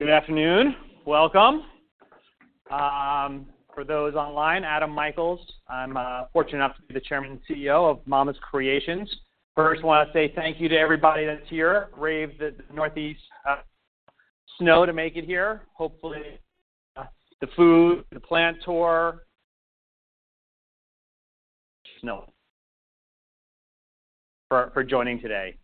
Good afternoon. Welcome. For those online, Adam Michaels. I'm fortunate enough to be the Chairman and CEO of Mama's Creations. First, I wanna say thank you to everybody that's here. Brave the Northeast snow to make it here. Hopefully, the food, the plant tour. For joining today.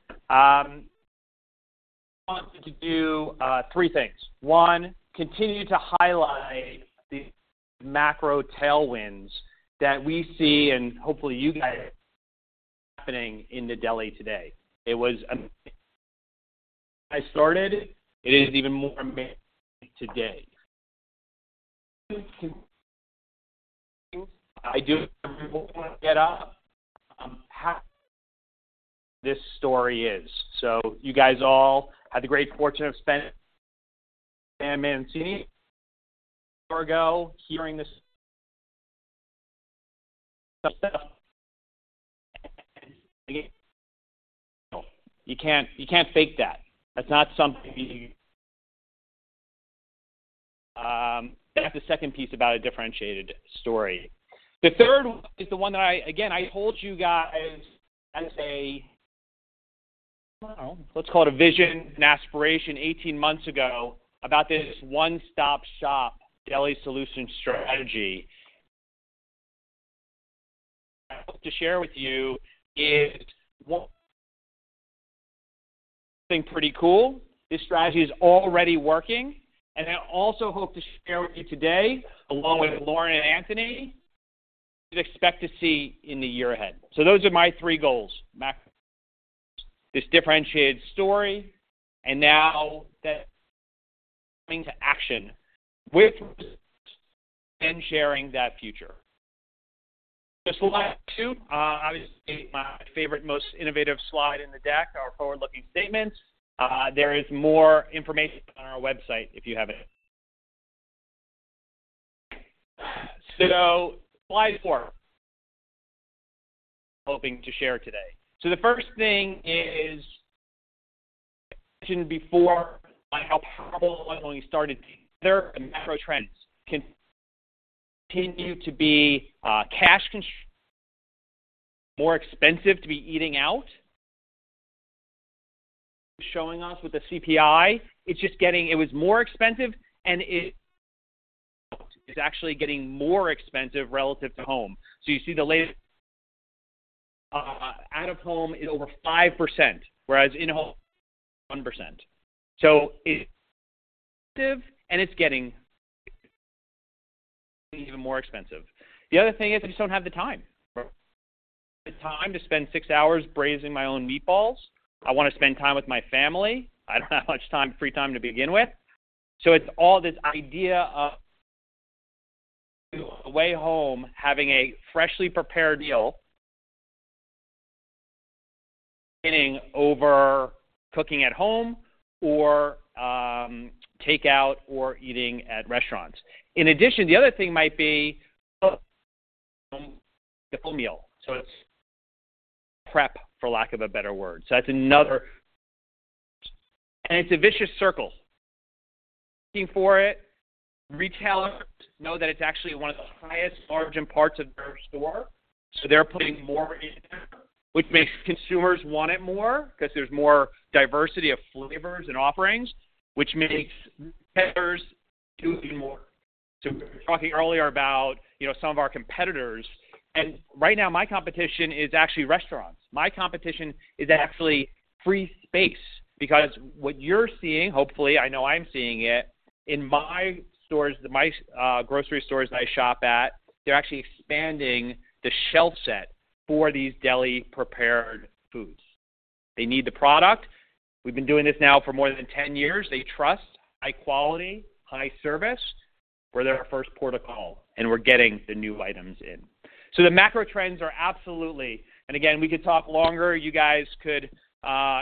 I wanted to do three things. One, continue to highlight the macro tailwinds that we see and hopefully you get it happening in the deli today. It was amazing. When I started, it is even more amazing today. I do remember when I got up, how this story is. So you guys all had the great fortune of spending time in Senior Gargo, hearing this stuff. And again, you can't fake that. That's not something you. That's the second piece about a differentiated story. The third one is the one that I, again, I told you guys as a, I don't know, let's call it a vision and aspiration 18 months ago about this one-stop shop deli solution strategy. I hope to share with you is what I think pretty cool. This strategy is already working. And I also hope to share with you today, along with Lauren and Anthony, what you expect to see in the year ahead. So those are my three goals: macro, this differentiated story, and now that coming to action with results and sharing that future. The slide two, obviously my favorite, most innovative slide in the deck, our forward-looking statements. There is more information on our website if you have it. So slide four, hoping to share today. So the first thing is, as I mentioned before, how powerful ongoing started together the macro trends continue to be, cash consumed, more expensive to be eating out. Showing us with the CPI, it's just getting it was more expensive and it is actually getting more expensive relative to home. So you see the latest, out-of-home is over 5%, whereas in-home 1%. So it's expensive and it's getting even more expensive. The other thing is I just don't have the time. I don't have the time to spend six hours braising my own meatballs. I wanna spend time with my family. I don't have much time, free time to begin with. So it's all this idea of a way home having a freshly prepared meal, spending over cooking at home or takeout or eating at restaurants. In addition, the other thing might be the full meal. So it's prep, for lack of a better word. So that's another and it's a vicious circle. Looking for it, retailers know that it's actually one of the highest margin parts of their store. So they're putting more into there, which makes consumers want it more 'cause there's more diversity of flavors and offerings, which makes retailers do even more. So we were talking earlier about, you know, some of our competitors. And right now, my competition is actually restaurants. My competition is actually free space because what you're seeing, hopefully, I know I'm seeing it, in my stores, my grocery stores that I shop at, they're actually expanding the shelf set for these deli-prepared foods. They need the product. We've been doing this now for more than 10 years. They trust high quality, high service. We're their first port of call. And we're getting the new items in. So the macro trends are absolutely, and again, we could talk longer. You guys could,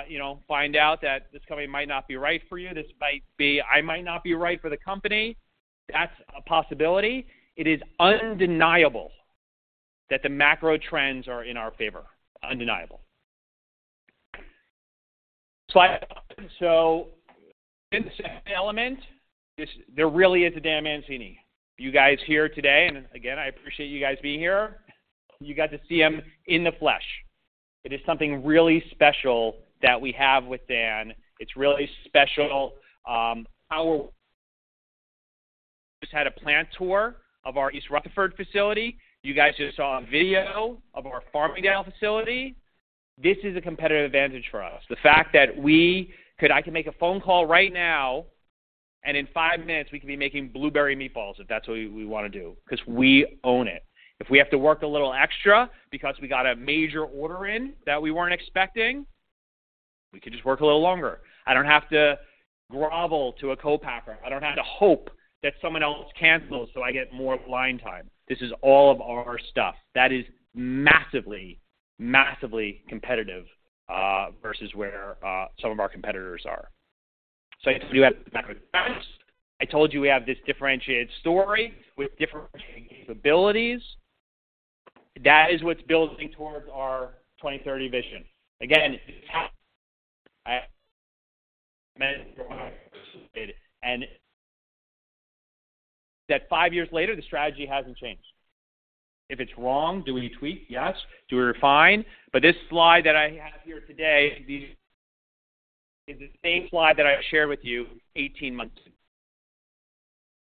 you know, find out that this company might not be right for you. This might be. I might not be right for the company. That's a possibility. It is undeniable that the macro trends are in our favor, undeniable. Slide. So in the second element, there really is a Dan Mancini. You guys here today, and again, I appreciate you guys being here. You got to see him in the flesh. It is something really special that we have with Dan. It's really special, how we just had a plant tour of our East Rutherford facility. You guys just saw a video of our Farmingdale facility. This is a competitive advantage for us. The fact that we could, I can make a phone call right now and in five minutes, we could be making blueberry meatballs if that's what we, we wanna do 'cause we own it. If we have to work a little extra because we got a major order in that we weren't expecting, we could just work a little longer. I don't have to grovel to a co-packer. I don't have to hope that someone else cancels so I get more line time. This is all of our stuff. That is massively, massively competitive versus where some of our competitors are. So I told you we have the macro trends. I told you we have this differentiated story with differentiated capabilities. That is what's building towards our 2030 vision. Again, this happened. I meant to draw it and that five years later, the strategy hasn't changed. If it's wrong, do we tweak? Yes. Do we refine? But this slide that I have here today, these is the same slide that I shared with you 18 months ago.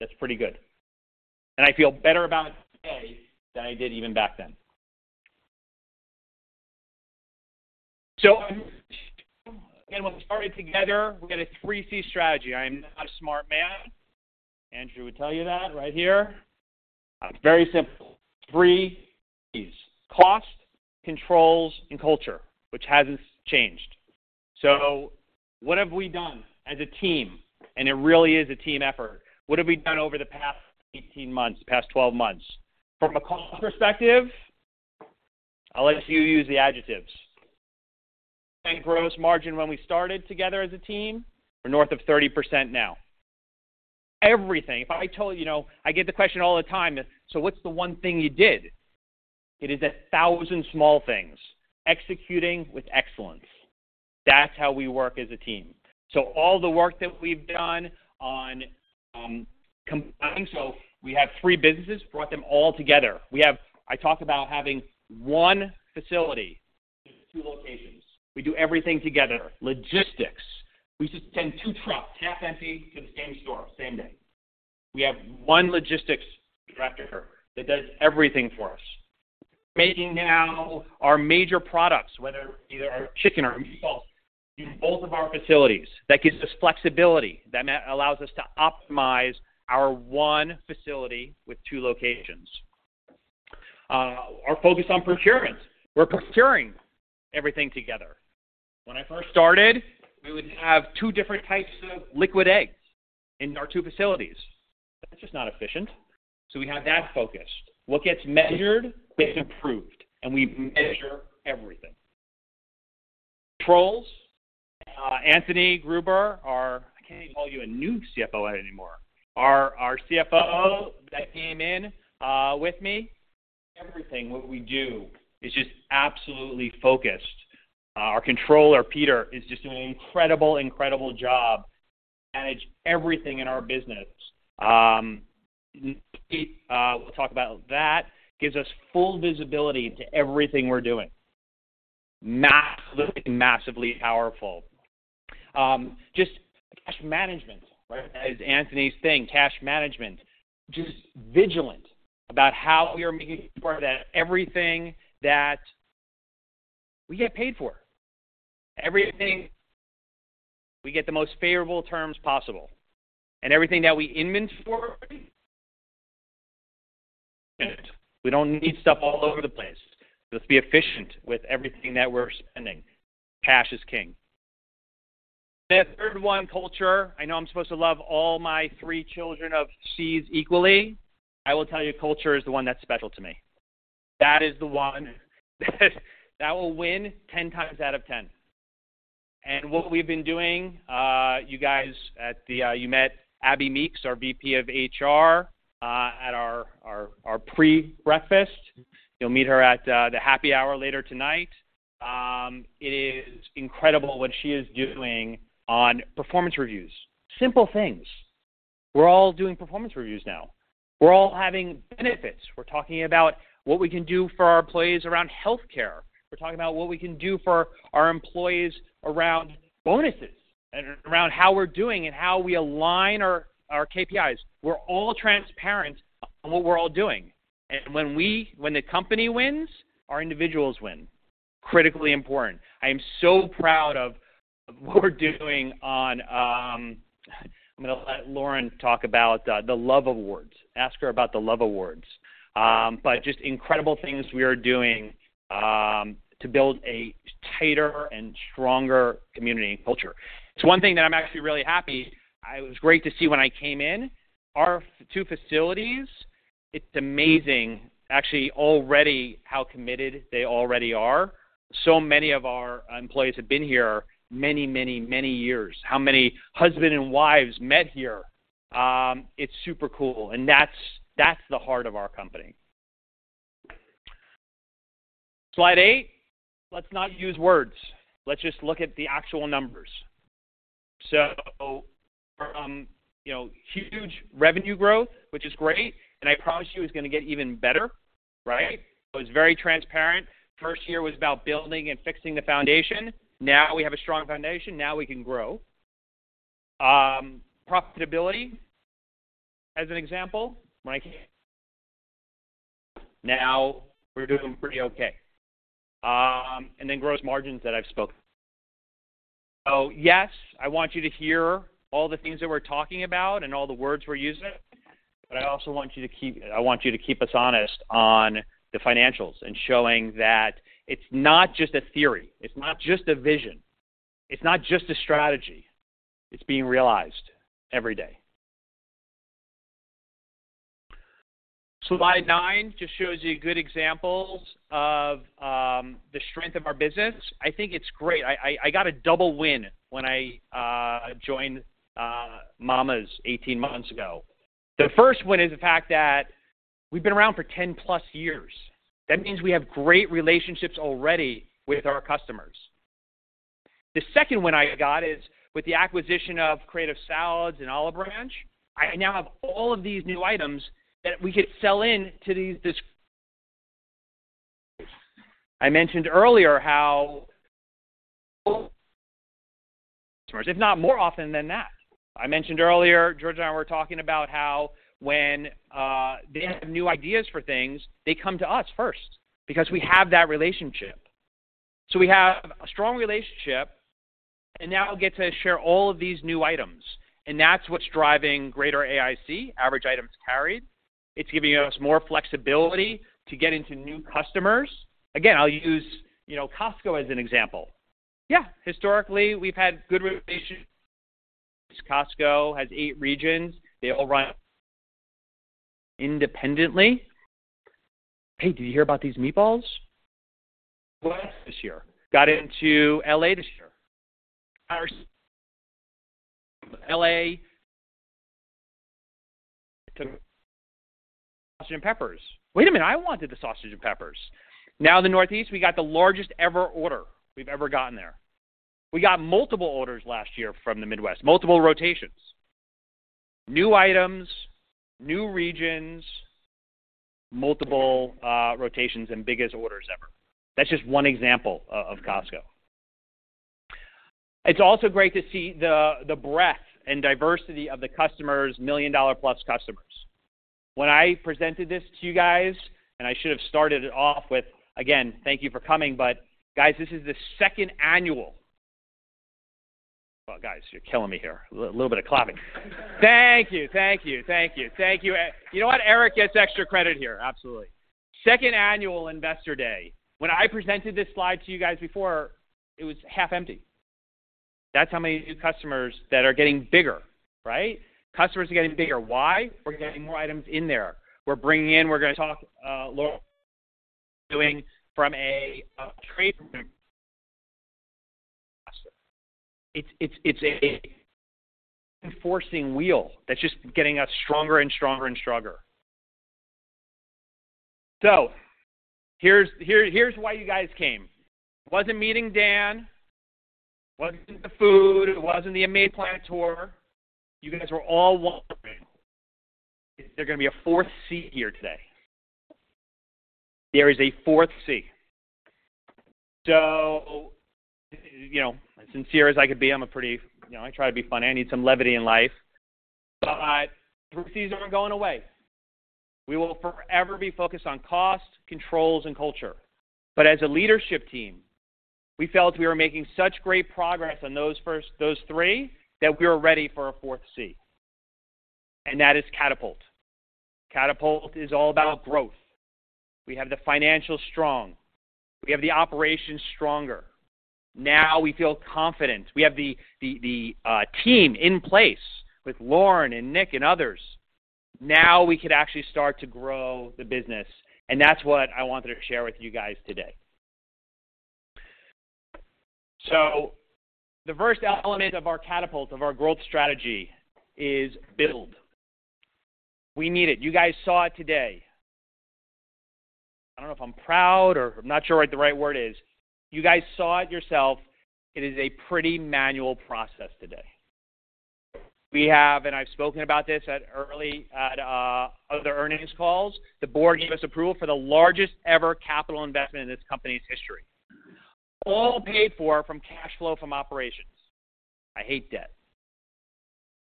That's pretty good. I feel better about it today than I did even back then. So I'm gonna show again, when we started together, we Three Cs strategy. i am not a smart man. Andrew would tell you that right here. It's very Three Cs: cost, controls, and culture, which hasn't changed. So what have we done as a team? And it really is a team effort. What have we done over the past 18 months, past 12 months? From a cost perspective, I'll let you use the adjectives. Gross margin when we started together as a team, we're north of 30% now. Everything. If I told you, you know, I get the question all the time is, "So what's the one thing you did?" It is a thousand small things. Executing with excellence. That's how we work as a team. So all the work that we've done on, combined so we have three businesses, brought them all together. We have. I talk about having one facility with two locations. We do everything together. Logistics. We just send two trucks, half empty, to the same store, same day. We have one logistics director that does everything for us. Making now our major products, whether it's either our chicken or our meatballs, in both of our facilities. That gives us flexibility. That allows us to optimize our one facility with two locations. Our focus on procurement. We're procuring everything together. When I first started, we would have two different types of liquid eggs in our two facilities. That's just not efficient. So we had that focused. What gets measured gets improved. And we measure everything. Controls, Anthony Gruber, our—I can't even call you a new CFO anymore. Our, our CFO that came in with me, everything what we do is just absolutely focused. Our controller, Peter, is just doing an incredible, incredible job to manage everything in our business. We'll talk about that. Gives us full visibility to everything we're doing. Massively powerful. Just cash management, right, as Anthony's thing, cash management. Just vigilant about how we are making sure that everything that we get paid for, everything we get the most favorable terms possible. And everything that we invoice for, we don't need stuff all over the place. Let's be efficient with everything that we're spending. Cash is king. That third one, culture. I know I'm supposed to love all my Three Children of Cs equally. I will tell you, culture is the one that's special to me. That is the one that will win 10x out of 10. And what we've been doing, you guys at the, you met Abbey Meeks, our VP of HR, at our pre-breakfast. You'll meet her at the happy hour later tonight. It is incredible what she is doing on performance reviews. Simple things. We're all doing performance reviews now. We're all having benefits. We're talking about what we can do for our employees around healthcare. We're talking about what we can do for our employees around bonuses and around how we're doing and how we align our KPIs. We're all transparent on what we're all doing. When the company wins, our individuals win. Critically important. I am so proud of what we're doing. I'm gonna let Lauren talk about the Love Awards. Ask her about the Love Awards. But just incredible things we are doing to build a tighter and stronger community and culture. It's one thing that I'm actually really happy. It was great to see when I came in. Our two facilities. It's amazing, actually, how committed they already are. So many of our employees have been here many, many, many years. How many husbands and wives met here. It's super cool. And that's the heart of our company. Slide eight. Let's not use words. Let's just look at the actual numbers. So we're, you know, huge revenue growth, which is great. And I promise you it's gonna get even better, right? It was very transparent. First year was about building and fixing the foundation. Now we have a strong foundation. Now we can grow. Profitability, as an example, when I came in, now we're doing pretty okay. Then gross margins that I've spoken about. So yes, I want you to hear all the things that we're talking about and all the words we're using. But I also want you to keep us honest on the financials and showing that it's not just a theory. It's not just a vision. It's not just a strategy. It's being realized every day. Slide 9 just shows you good examples of the strength of our business. I think it's great. I got a double win when I joined Mama's 18 months ago. The first win is the fact that we've been around for 10+ years. That means we have great relationships already with our customers. The second win I got is with the acquisition of Creative Salads and Olive Branch. I now have all of these new items that we could sell into these distributors. I mentioned earlier how customers, if not more often than that. I mentioned earlier, Georgia and I were talking about how when, they have new ideas for things, they come to us first because we have that relationship. So we have a strong relationship. And now we'll get to share all of these new items. And that's what's driving greater AIC, average items carried. It's giving us more flexibility to get into new customers. Again, I'll use, you know, Costco as an example. Yeah. Historically, we've had good relationships. Costco has eight regions. They all run independently. Hey, did you hear about these meatballs? This year. Got into L.A. this year. L.A. took sausage and peppers. Wait a minute. I wanted the sausage and peppers. Now the Northeast, we got the largest ever order we've ever gotten there. We got multiple orders last year from the Midwest. Multiple rotations. New items, new regions, multiple rotations and biggest orders ever. That's just one example of Costco. It's also great to see the breadth and diversity of the customers, million-dollar-plus customers. When I presented this to you guys and I should have started it off with, again, thank you for coming. But guys, this is the second annual well, guys, you're killing me here. A little bit of clapping. Thank you. Thank you. Thank you. Thank you. You know what? Eric gets extra credit here. Absolutely. Second annual Investor Day. When I presented this slide to you guys before, it was half empty. That's how many new customers that are getting bigger, right? Customers are getting bigger. Why? We're getting more items in there. We're bringing in. We're gonna talk. Lauren is doing from a trade room master. It's a reinforcing wheel that's just getting us stronger and stronger and stronger. So here's why you guys came. Wasn't meeting Dan. Wasn't the food. It wasn't the main plant tour. You guys were all wondering if they're gonna be a fourth C here today. There is a fourth C. So, you know, as sincere as I could be, I'm a pretty, you know, I try to be funny. I need some levity in life. Three Cs aren't going away. We will forever be focused on cost, controls, and culture. But as a leadership team, we felt we were making such great progress on those first three that we were ready for a fourth C. And that is Catapult. Catapult is all about growth. We have the financials strong. We have the operations stronger. Now we feel confident. We have the team in place with Lauren and Nick and others. Now we could actually start to grow the business. And that's what I wanted to share with you guys today. So the first element of our Catapult, of our growth strategy, is build. We need it. You guys saw it today. I don't know if I'm proud or I'm not sure what the right word is. You guys saw it yourself. It is a pretty manual process today. We have, and I've spoken about this at early at other earnings calls. The board gave us approval for the largest ever capital investment in this company's history. All paid for from cash flow from operations. I hate debt.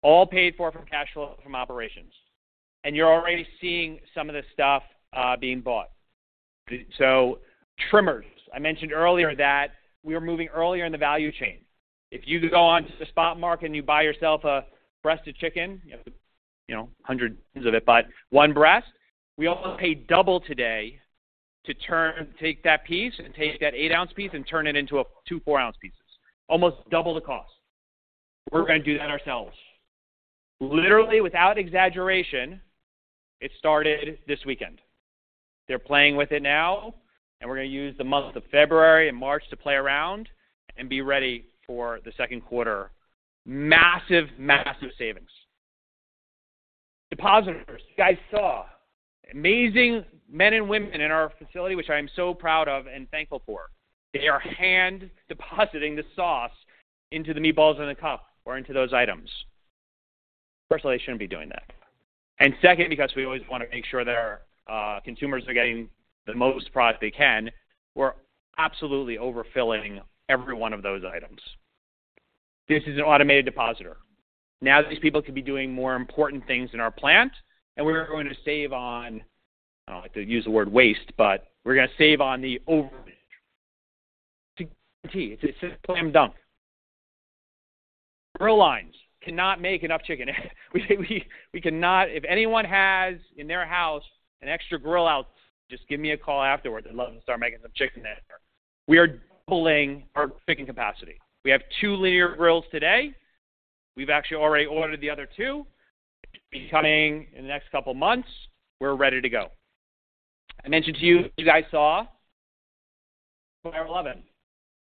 All paid for from cash flow from operations. And you're already seeing some of this stuff, being bought. So trimmers. I mentioned earlier that we were moving earlier in the value chain. If you go onto the spot market and you buy yourself a breasted chicken, you have the, you know, hundreds of it, but one breast, we almost paid double today to turn take that piece and take that 8-ounce piece and turn it into a two 4-ounce pieces. Almost double the cost. We're gonna do that ourselves. Literally, without exaggeration, it started this weekend. They're playing with it now. And we're gonna use the month of February and March to play around and be ready for the second quarter. Massive, massive savings. Depositors. You guys saw amazing men and women in our facility, which I am so proud of and thankful for. They are hand-depositing the sauce into the meatballs in the cup or into those items. Personally, I shouldn't be doing that. And second, because we always wanna make sure that our consumers are getting the most product they can, we're absolutely overfilling every one of those items. This is an automated depositor. Now these people could be doing more important things in our plant. And we're going to save on. I don't like to use the word waste, but we're gonna save on the overage. It's a slam dunk. Grill lines cannot make enough chicken. We cannot if anyone has in their house an extra grill out, just give me a call afterwards. I'd love to start making some chicken that we are doubling our chicken capacity. We have two linear grills today. We've actually already ordered the other two. It should be coming in the next couple months. We're ready to go. I mentioned to you you guys saw Fire 11.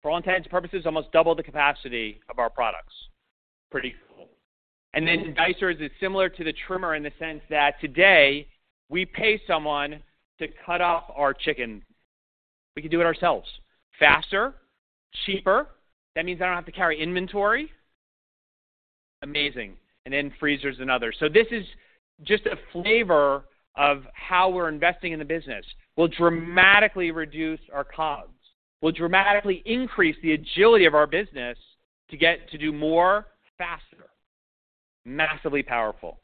For all intents and purposes, almost double the capacity of our products. Pretty cool. And then Dicer's is similar to the trimmer in the sense that today, we pay someone to cut off our chicken. We can do it ourselves. Faster, cheaper. That means I don't have to carry inventory. Amazing. And then freezers and others. So this is just a flavor of how we're investing in the business. We'll dramatically reduce our costs. We'll dramatically increase the agility of our business to get to do more faster. Massively powerful.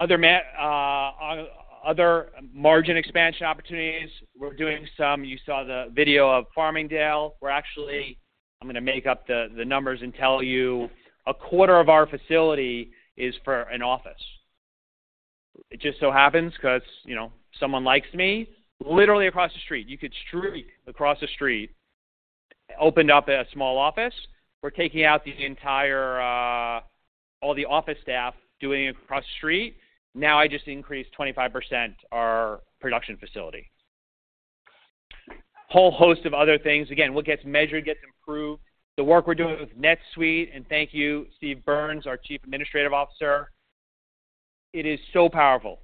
Other margin expansion opportunities, we're doing some you saw the video of Farmingdale. Actually, I'm gonna make up the numbers and tell you. A quarter of our facility is for an office. It just so happens 'cause, you know, someone likes me. Literally across the street. You could streak across the street. Opened up a small office. We're taking out the entire office staff doing it across the street. Now I just increased 25% our production facility. Whole host of other things. Again, what gets measured gets improved. The work we're doing with NetSuite. Thank you, Steve Burns, our Chief Administrative Officer. It is so powerful.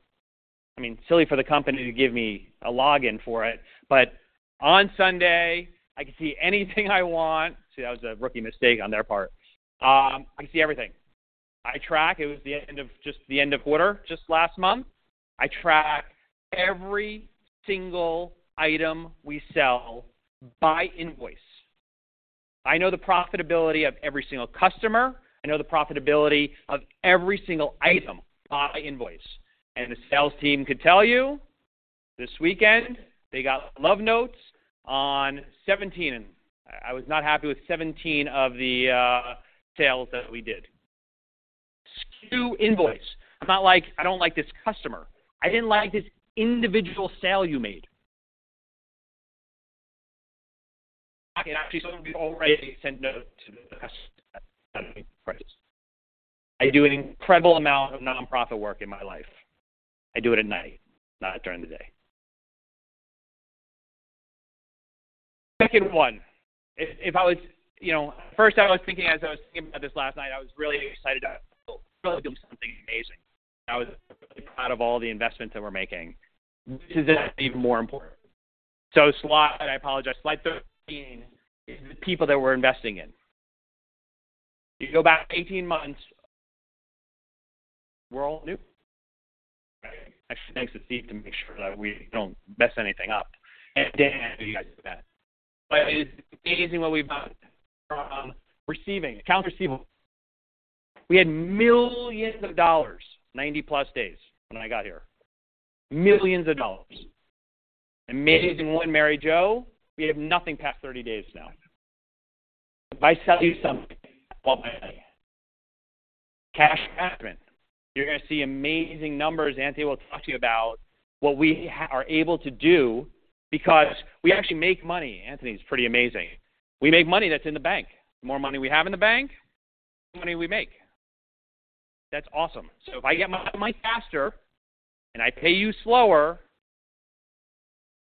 I mean, silly for the company to give me a login for it. But on Sunday, I could see anything I want see, that was a rookie mistake on their part. I could see everything. I track it was the end of just the end of quarter, just last month. I track every single item we sell by invoice. I know the profitability of every single customer. I know the profitability of every single item by invoice. And the sales team could tell you this weekend, they got love notes on $17 and I, I was not happy with 17 of the sales that we did. SKU invoice. It's not like I don't like this customer. I didn't like this individual sale you made. And actually, some of you already sent notes to the customer at $17 prices. I do an incredible amount of nonprofit work in my life. I do it at night, not during the day. Second one. If I was, you know, at first, I was thinking about this last night, I was really excited about really doing something amazing. And I was really proud of all the investments that we're making. This is even more important. So, slide. I apologize. Slide 13 is the people that we're investing in. You go back 18 months, we're all new, right? Actually, thanks to Steve to make sure that we don't mess anything up. And Dan, who you guys met. But it is amazing what we've got from receiving accounts receivable. We had $ millions, 90+ days when I got here. $ millions. Amazing one, Mary Jo. We have nothing past 30 days now. If I sell you something, I want my money. Cash management. You're gonna see amazing numbers. Anthony will talk to you about what we are able to do because we actually make money. Anthony's pretty amazing. We make money that's in the bank. The more money we have in the bank, the more money we make. That's awesome. So if I get my money faster and I pay you slower,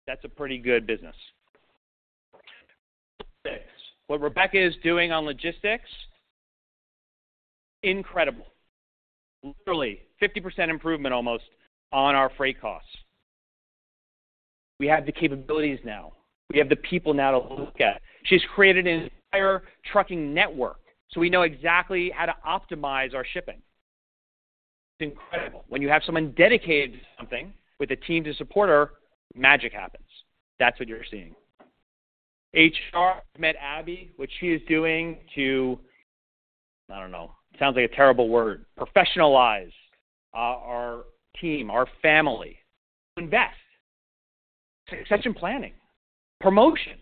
that's a pretty good business. What Rebecca is doing on logistics, incredible. Literally, 50% improvement almost on our freight costs. We have the capabilities now. We have the people now to look at. She's created an entire trucking network. So we know exactly how to optimize our shipping. It's incredible. When you have someone dedicated to something with a team to support her, magic happens. That's what you're seeing. HR met Abbey, what she is doing to I don't know. It sounds like a terrible word. Professionalize, our team, our family. Invest. Succession planning. Promotion.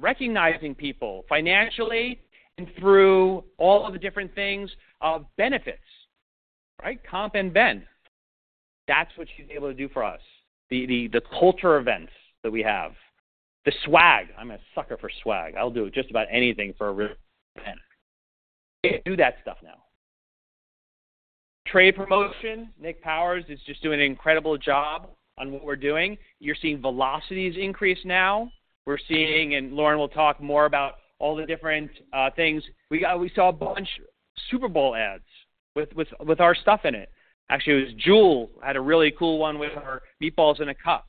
Recognizing people financially and through all of the different things of benefits, right? Comp and benefits. That's what she's able to do for us. The culture events that we have. The swag. I'm a sucker for swag. I'll do just about anything for a real event. We do that stuff now. Trade promotion. Nick Powers is just doing an incredible job on what we're doing. You're seeing velocities increase now. We're seeing and Lauren will talk more about all the different things. We saw a bunch of Super Bowl ads with our stuff in it. Actually, it was Jewel had a really cool one with her meatballs in a cup.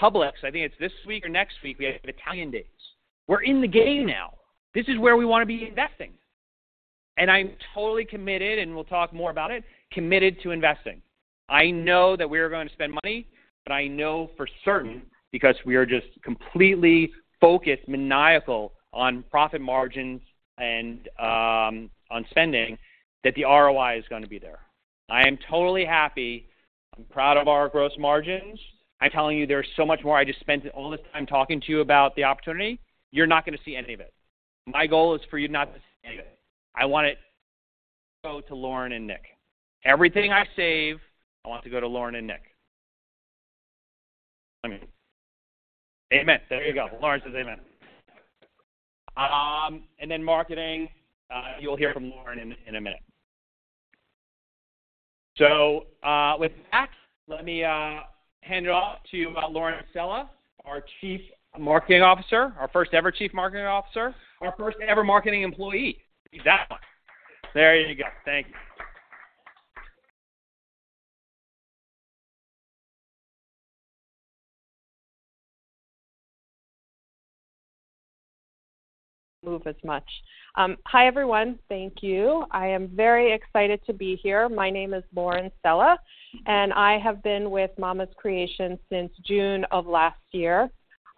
Publix. I think it's this week or next week. We had Italian Days. We're in the game now. This is where we wanna be investing. And I'm totally committed and we'll talk more about it committed to investing. I know that we are going to spend money. But I know for certain because we are just completely focused, maniacal on profit margins and on spending that the ROI is gonna be there. I am totally happy. I'm proud of our gross margins. I'm telling you, there's so much more. I just spent all this time talking to you about the opportunity. You're not gonna see any of it. My goal is for you not to see any of it. I want it to go to Lauren and Nick. Everything I save, I want to go to Lauren and Nick. I mean, amen. There you go. Lauren says amen. Then marketing. You'll hear from Lauren in, in a minute. So, with that, let me hand it off to Lauren Sella, our Chief Marketing Officer, our first ever Chief Marketing Officer, our first ever marketing employee. That one. There you go. Thank you. Move as much. Hi, everyone. Thank you. I am very excited to be here. My name is Lauren Sella. I have been with Mama's Creations since June of last year.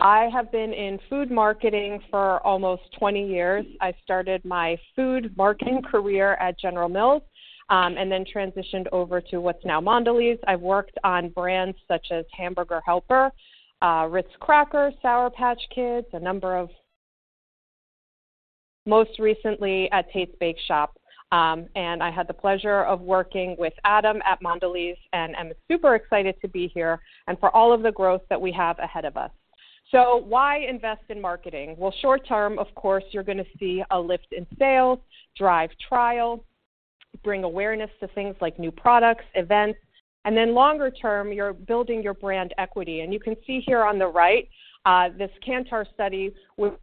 I have been in food marketing for almost 20 years. I started my food marketing career at General Mills, and then transitioned over to what's now Mondelēz. I've worked on brands such as Hamburger Helper, Ritz Crackers, Sour Patch Kids, a number of most recently at Tate's Bake Shop. And I had the pleasure of working with Adam at Mondelēz. And I'm super excited to be here and for all of the growth that we have ahead of us. So why invest in marketing? Well, short term, of course, you're gonna see a lift in sales, drive trial, bring awareness to things like new products, events. And then longer term, you're building your brand equity. And you can see here on the right, this Kantar study with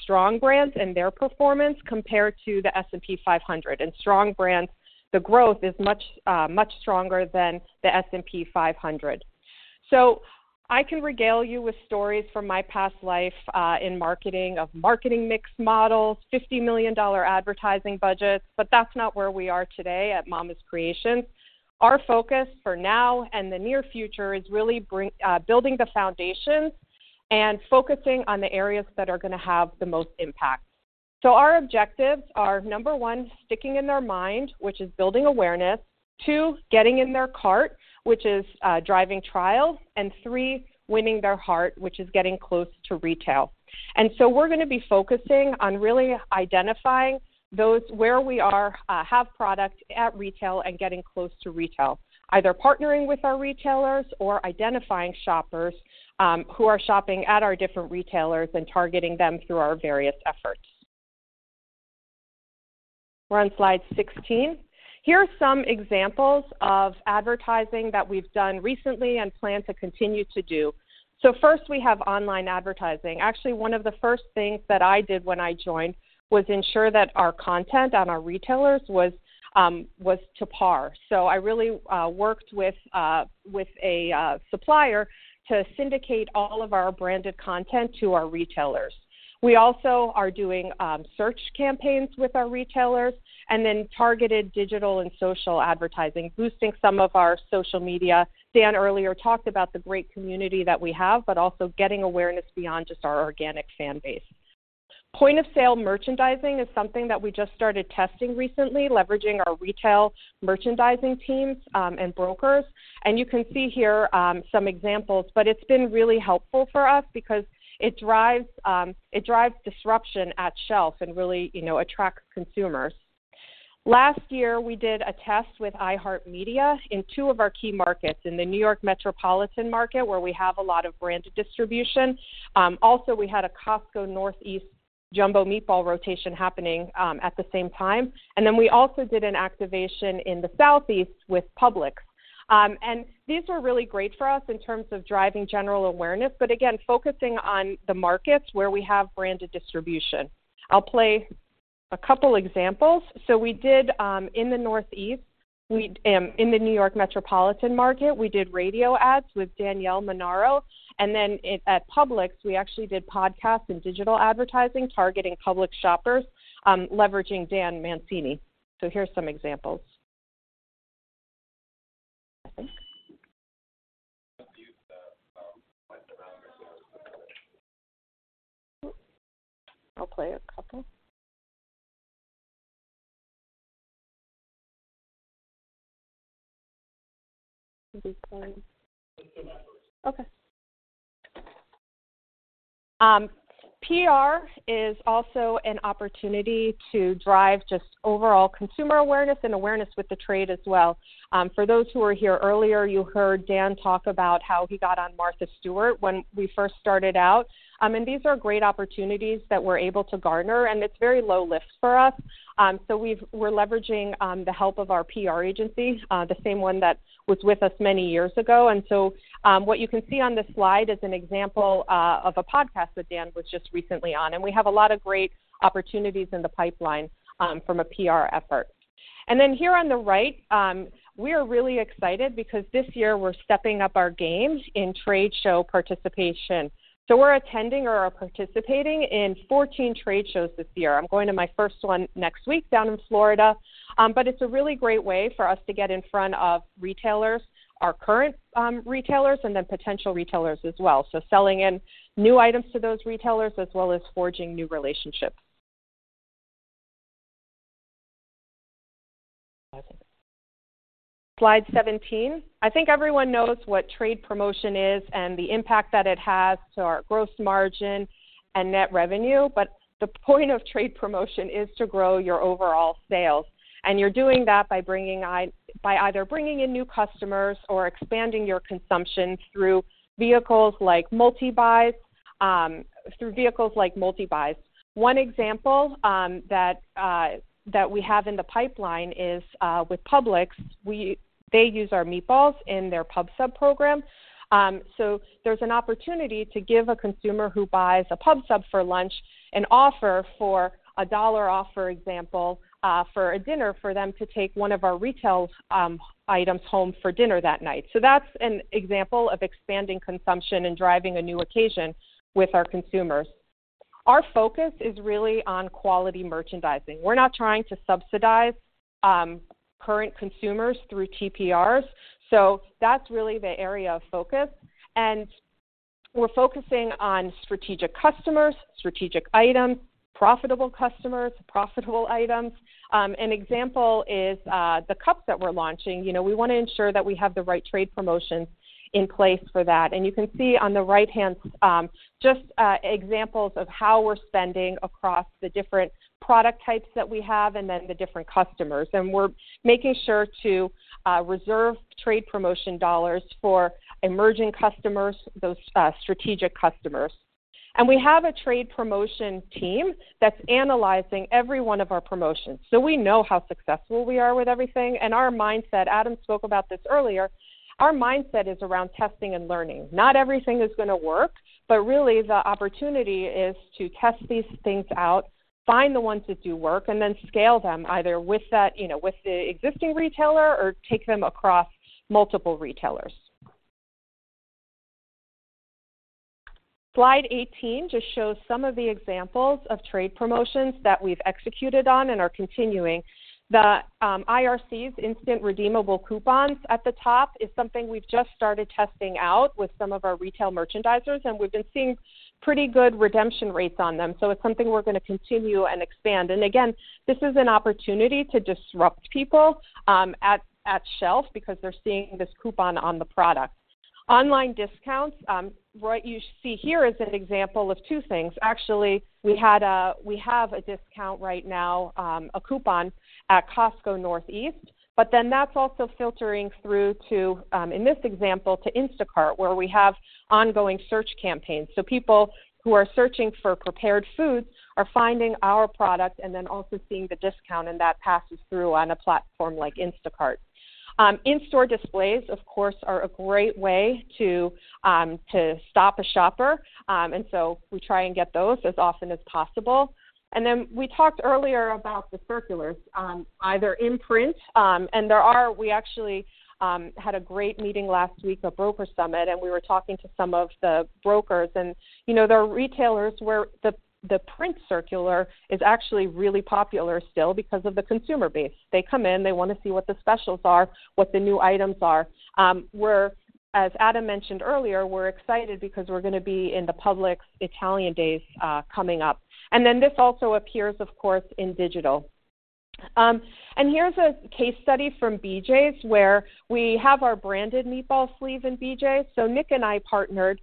strong brands and their performance compared to the S&P 500. Strong brands, the growth is much, much stronger than the S&P 500. I can regale you with stories from my past life, in marketing of marketing mix models, $50 million advertising budgets. But that's not where we are today at Mama's Creations. Our focus for now and the near future is really building the foundations and focusing on the areas that are gonna have the most impact. Our objectives are, number one, sticking in their mind, which is building awareness. Two, getting in their cart, which is, driving trial. And three, winning their heart, which is getting close to retail. So we're gonna be focusing on really identifying those where we are, have product at retail and getting close to retail. Either partnering with our retailers or identifying shoppers, who are shopping at our different retailers and targeting them through our various efforts. We're on slide 16. Here are some examples of advertising that we've done recently and plan to continue to do. So first, we have online advertising. Actually, one of the first things that I did when I joined was ensure that our content on our retailers was to par. So I really worked with a supplier to syndicate all of our branded content to our retailers. We also are doing search campaigns with our retailers and then targeted digital and social advertising, boosting some of our social media. Dan earlier talked about the great community that we have, but also getting awareness beyond just our organic fanbase. Point of sale merchandising is something that we just started testing recently, leveraging our retail merchandising teams and brokers. You can see here some examples. But it's been really helpful for us because it drives, it drives disruption at shelf and really, you know, attracts consumers. Last year, we did a test with iHeartMedia in two of our key markets, in the New York Metropolitan market where we have a lot of branded distribution. Also, we had a Costco Northeast jumbo meatball rotation happening at the same time. Then we also did an activation in the Southeast with Publix. These were really great for us in terms of driving general awareness. But again, focusing on the markets where we have branded distribution. I'll play a couple examples. So we did, in the Northeast, we in the New York Metropolitan market, we did radio ads with Danielle Monaro. And then at Publix, we actually did podcasts and digital advertising targeting Publix shoppers, leveraging Dan Mancini. So here's some examples. I'll play a couple. Okay. PR is also an opportunity to drive just overall consumer awareness and awareness with the trade as well. For those who were here earlier, you heard Dan talk about how he got on Martha Stewart when we first started out. These are great opportunities that we're able to garner. It's very low lift for us. We're leveraging the help of our PR agency, the same one that was with us many years ago. What you can see on this slide is an example of a podcast that Dan was just recently on. We have a lot of great opportunities in the pipeline from a PR effort. Here on the right, we are really excited because this year, we're stepping up our game in trade show participation. We're attending or are participating in 14 trade shows this year. I'm going to my first one next week down in Florida. But it's a really great way for us to get in front of retailers, our current retailers, and then potential retailers as well. So selling in new items to those retailers as well as forging new relationships. Slide 17. I think everyone knows what trade promotion is and the impact that it has to our gross margin and net revenue. But the point of trade promotion is to grow your overall sales. And you're doing that by bringing eye by either bringing in new customers or expanding your consumption through vehicles like multibuys, through vehicles like multibuys. One example, that, that we have in the pipeline is, with Publix. We they use our meatballs in their PubSub program. So there's an opportunity to give a consumer who buys a PubSub for lunch an offer for a $1 offer, for example, for a dinner for them to take one of our retail items home for dinner that night. So that's an example of expanding consumption and driving a new occasion with our consumers. Our focus is really on quality merchandising. We're not trying to subsidize current consumers through TPRs. So that's really the area of focus. And we're focusing on strategic customers, strategic items, profitable customers, profitable items. An example is the cups that we're launching. You know, we wanna ensure that we have the right trade promotions in place for that. And you can see on the right-hand, just examples of how we're spending across the different product types that we have and then the different customers. We're making sure to reserve trade promotion dollars for emerging customers, those strategic customers. We have a trade promotion team that's analyzing every one of our promotions. So we know how successful we are with everything. Our mindset, Adam spoke about this earlier. Our mindset is around testing and learning. Not everything is gonna work. But really, the opportunity is to test these things out, find the ones that do work, and then scale them either with that, you know, with the existing retailer or take them across multiple retailers. Slide 18 just shows some of the examples of trade promotions that we've executed on and are continuing. The IRCs, instant redeemable coupons, at the top is something we've just started testing out with some of our retail merchandisers. And we've been seeing pretty good redemption rates on them. So it's something we're gonna continue and expand. Again, this is an opportunity to disrupt people at shelf because they're seeing this coupon on the product. Online discounts, what you see here is an example of two things. Actually, we had a we have a discount right now, a coupon at Costco Northeast. But then that's also filtering through to, in this example, to Instacart where we have ongoing search campaigns. So people who are searching for prepared foods are finding our product and then also seeing the discount. And that passes through on a platform like Instacart. In-store displays, of course, are a great way to stop a shopper. So we try and get those as often as possible. Then we talked earlier about the circulars, either in print. And there we actually had a great meeting last week at Broker Summit. And we were talking to some of the brokers. You know, there are retailers where the print circular is actually really popular still because of the consumer base. They come in. They wanna see what the specials are, what the new items are. We're, as Adam mentioned earlier, we're excited because we're gonna be in the Publix Italian Days, coming up. And then this also appears, of course, in digital. And here's a case study from BJ's where we have our branded meatball sleeve in BJ. So Nick and I partnered.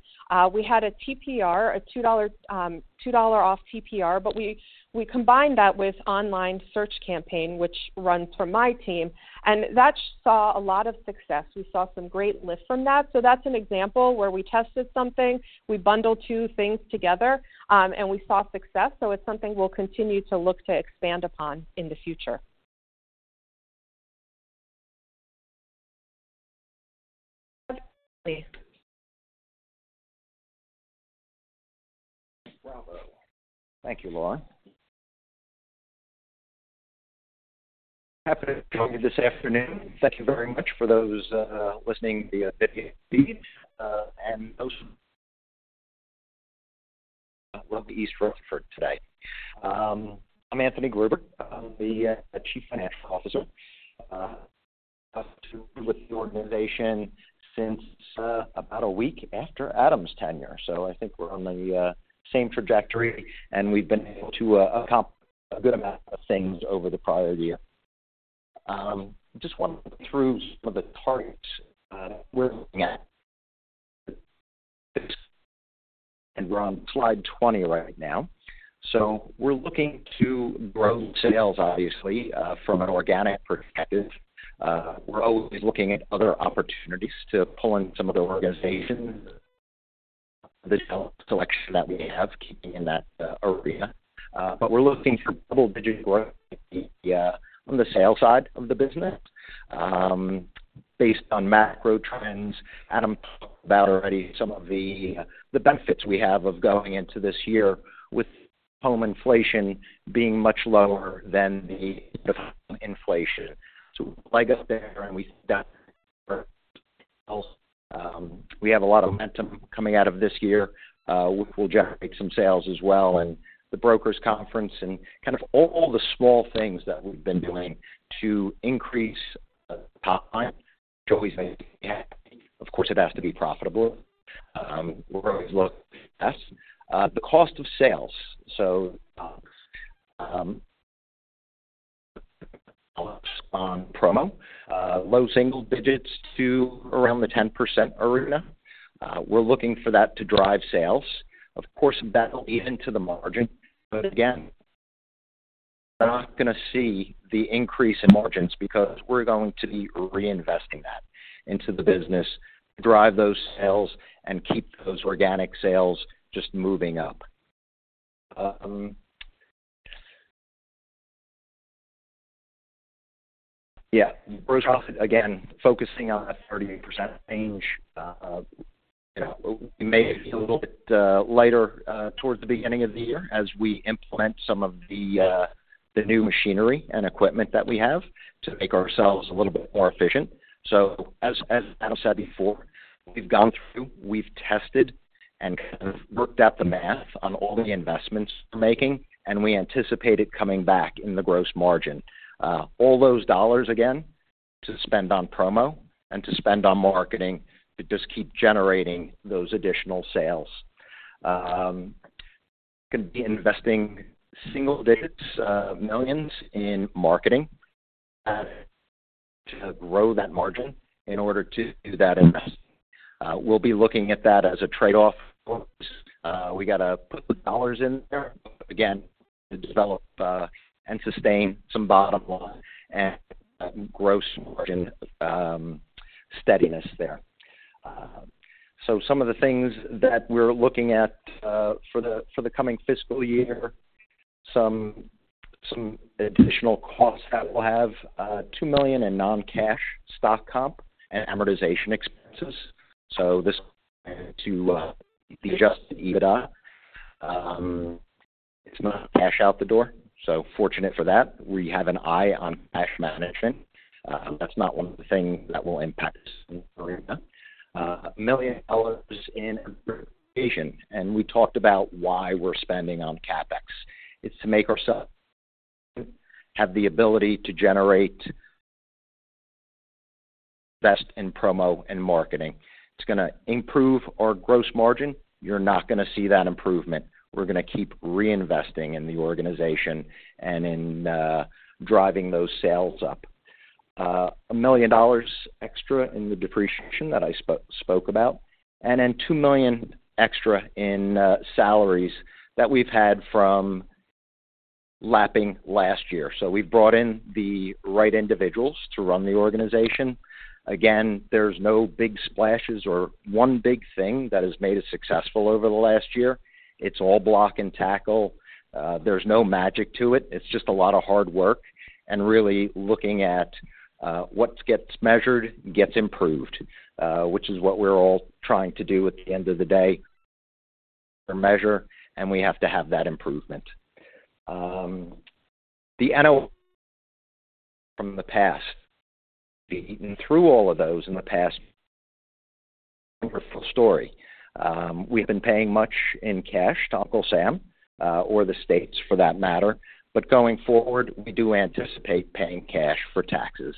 We had a TPR, a $2, $2 off TPR. But we combined that with online search campaign, which runs from my team. And that saw a lot of success. We saw some great lift from that. So that's an example where we tested something. We bundled two things together, and we saw success. So it's something we'll continue to look to expand upon in the future. Bravo. Thank you, Lauren. Happy to join you this afternoon. Thank you very much for those listening via webcast feed and those who are joining us from East Rutherford today. I'm Anthony Gruber. I'm the Chief Financial Officer. I've been with the organization since about a week after Adam's tenure. So I think we're on the same trajectory. And we've been able to accomplish a good amount of things over the prior year. Just wanna go through some of the targets that we're looking at. And we're on slide 20 right now. So we're looking to grow sales, obviously, from an organic perspective. We're always looking at other opportunities to pull in some of the organizations, the sales selection that we have, keeping in that area. But we're looking for double-digit growth in the sales side of the business, based on macro trends. Adam talked about already some of the benefits we have of going into this year with home inflation being much lower than the inflation. So we'll leg up there. And we think that we have a lot of momentum coming out of this year, which will generate some sales as well. And the brokers conference and kind of all the small things that we've been doing to increase the top line, which always makes me happy. Of course, it has to be profitable. We're always looking at this: the cost of sales. So, on promo, low single digits to around the 10% arena. We're looking for that to drive sales. Of course, that'll eat into the margin. But again, we're not gonna see the increase in margins because we're going to be reinvesting that into the business to drive those sales and keep those organic sales just moving up. Yeah. Gross profit, again, focusing on a 38% range. You know, we may be a little bit lighter towards the beginning of the year as we implement some of the new machinery and equipment that we have to make ourselves a little bit more efficient. So as Adam said before, we've gone through, we've tested, and kind of worked out the math on all the investments we're making. And we anticipate it coming back in the gross margin. All those dollars, again, to spend on promo and to spend on marketing to just keep generating those additional sales. We're gonna be investing single-digit millions in marketing to grow that margin in order to do that investment. We'll be looking at that as a trade-off. We gotta put the dollars in there. But again, to develop and sustain some bottom line and gross margin steadiness there. So some of the things that we're looking at for the coming fiscal year, some additional costs that we'll have, $2 million in non-cash stock comp and amortization expenses. So this is to be adjusted EBITDA. It's not cash out the door. So fortunate for that. We have an eye on cash management. That's not one of the things that will impact us in the arena. $1 million in amortization. And we talked about why we're spending on CapEx. It's to make ourselves have the ability to generate best in promo and marketing. It's gonna improve our gross margin. You're not gonna see that improvement. We're gonna keep reinvesting in the organization and in driving those sales up. $1 million extra in the depreciation that I spoke about and then $2 million extra in salaries that we've had from lapping last year. So we've brought in the right individuals to run the organization. Again, there's no big splashes or one big thing that has made us successful over the last year. It's all block and tackle. There's no magic to it. It's just a lot of hard work and really looking at what gets measured gets improved, which is what we're all trying to do at the end of the day or measure. And we have to have that improvement. The NOL from the past, we've eaten through all of those in the past. Wonderful story. We've been paying much in cash to Uncle Sam, or the states for that matter. But going forward, we do anticipate paying cash for taxes.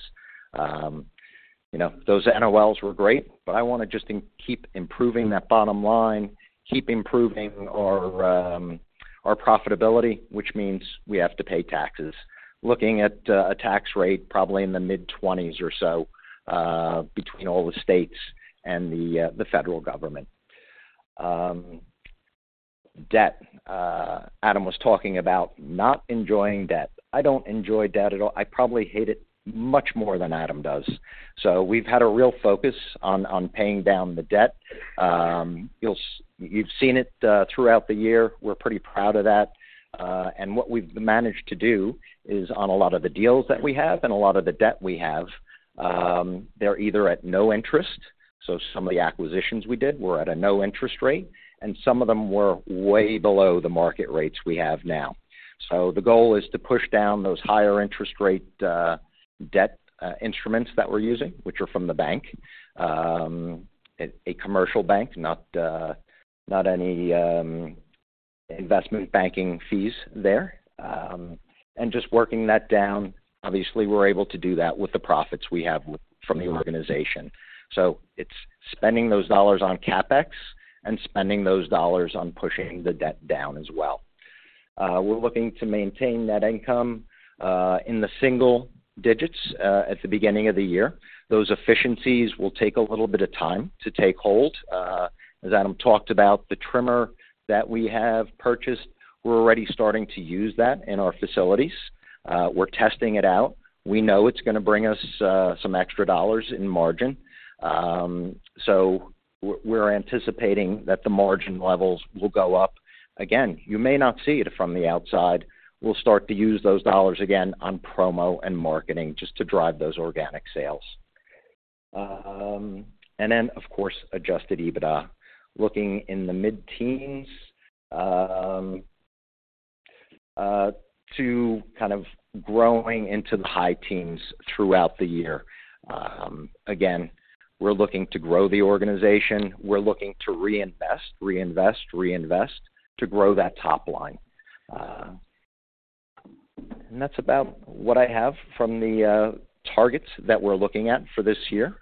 You know, those NOLs were great. But I wanna just keep improving that bottom line, keep improving our, our profitability, which means we have to pay taxes, looking at a tax rate probably in the mid-20s% or so, between all the states and the federal government. Debt. Adam was talking about not enjoying debt. I don't enjoy debt at all. I probably hate it much more than Adam does. So we've had a real focus on, on paying down the debt. You'll see you've seen it throughout the year. We're pretty proud of that. And what we've managed to do is on a lot of the deals that we have and a lot of the debt we have, they're either at no interest. So some of the acquisitions we did were at a no-interest rate. And some of them were way below the market rates we have now. So the goal is to push down those higher interest rate debt instruments that we're using, which are from the bank, a commercial bank, not any investment banking fees there, and just working that down. Obviously, we're able to do that with the profits we have from the organization. So it's spending those dollars on CapEx and spending those dollars on pushing the debt down as well. We're looking to maintain net income in the single digits at the beginning of the year. Those efficiencies will take a little bit of time to take hold. As Adam talked about, the trimmer that we have purchased, we're already starting to use that in our facilities. We're testing it out. We know it's gonna bring us some extra dollars in margin. So, we're anticipating that the margin levels will go up. Again, you may not see it from the outside. We'll start to use those dollars again on promo and marketing just to drive those organic sales. And then, of course, Adjusted EBITDA, looking in the mid-teens to kind of growing into the high teens throughout the year. Again, we're looking to grow the organization. We're looking to reinvest, reinvest, reinvest to grow that top line. And that's about what I have from the targets that we're looking at for this year.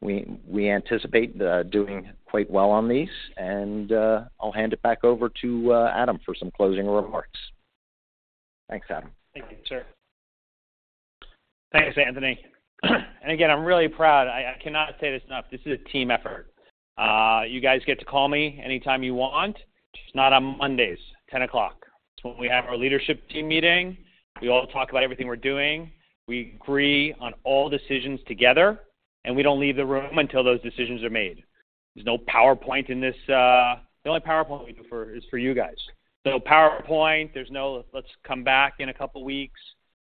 We anticipate doing quite well on these. And I'll hand it back over to Adam for some closing remarks. Thanks, Adam. Thanks, Anthony. And again, I'm really proud. I cannot say this enough. This is a team effort. You guys get to call me anytime you want. It's not on Mondays, 10:00. It's when we have our leadership team meeting. We all talk about everything we're doing. We agree on all decisions together. We don't leave the room until those decisions are made. There's no PowerPoint in this, the only PowerPoint we do for is for you guys. No PowerPoint. There's no, "Let's come back in a couple weeks."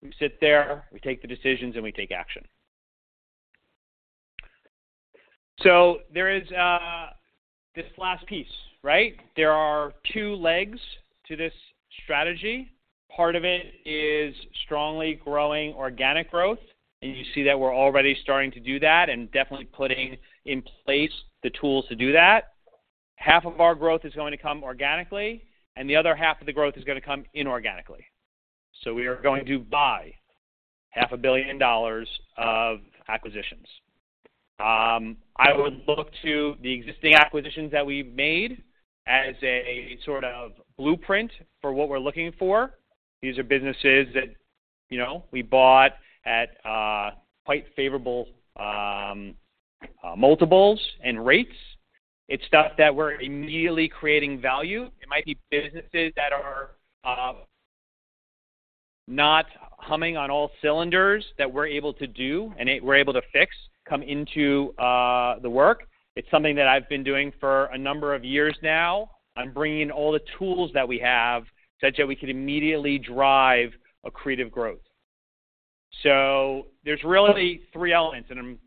We sit there. We take the decisions. We take action. So there is, this last piece, right? There are two legs to this strategy. Part of it is strongly growing organic growth. You see that we're already starting to do that and definitely putting in place the tools to do that. Half of our growth is going to come organically. The other half of the growth is gonna come inorganically. So we are going to buy $500 million of acquisitions. I would look to the existing acquisitions that we've made as a sort of blueprint for what we're looking for. These are businesses that, you know, we bought at quite favorable multiples and rates. It's stuff that we're immediately creating value. It might be businesses that are not humming on all cylinders that we're able to do and we're able to fix come into the work. It's something that I've been doing for a number of years now. I'm bringing in all the tools that we have such that we could immediately drive a creative growth. So there's really three elements. I'm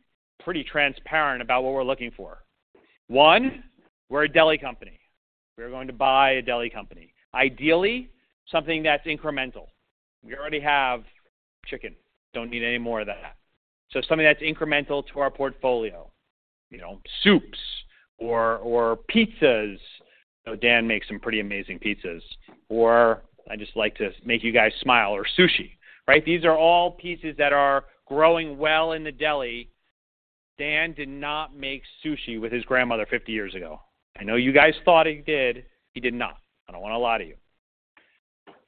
pretty transparent about what we're looking for. One, we're a deli company. We are going to buy a deli company, ideally something that's incremental. We already have chicken. Don't need any more of that. So something that's incremental to our portfolio, you know, soups or pizzas. You know, Dan makes some pretty amazing pizzas. Or I just like to make you guys smile, or sushi, right? These are all pieces that are growing well in the deli. Dan did not make sushi with his grandmother 50 years ago. I know you guys thought he did. He did not. I don't wanna lie to you.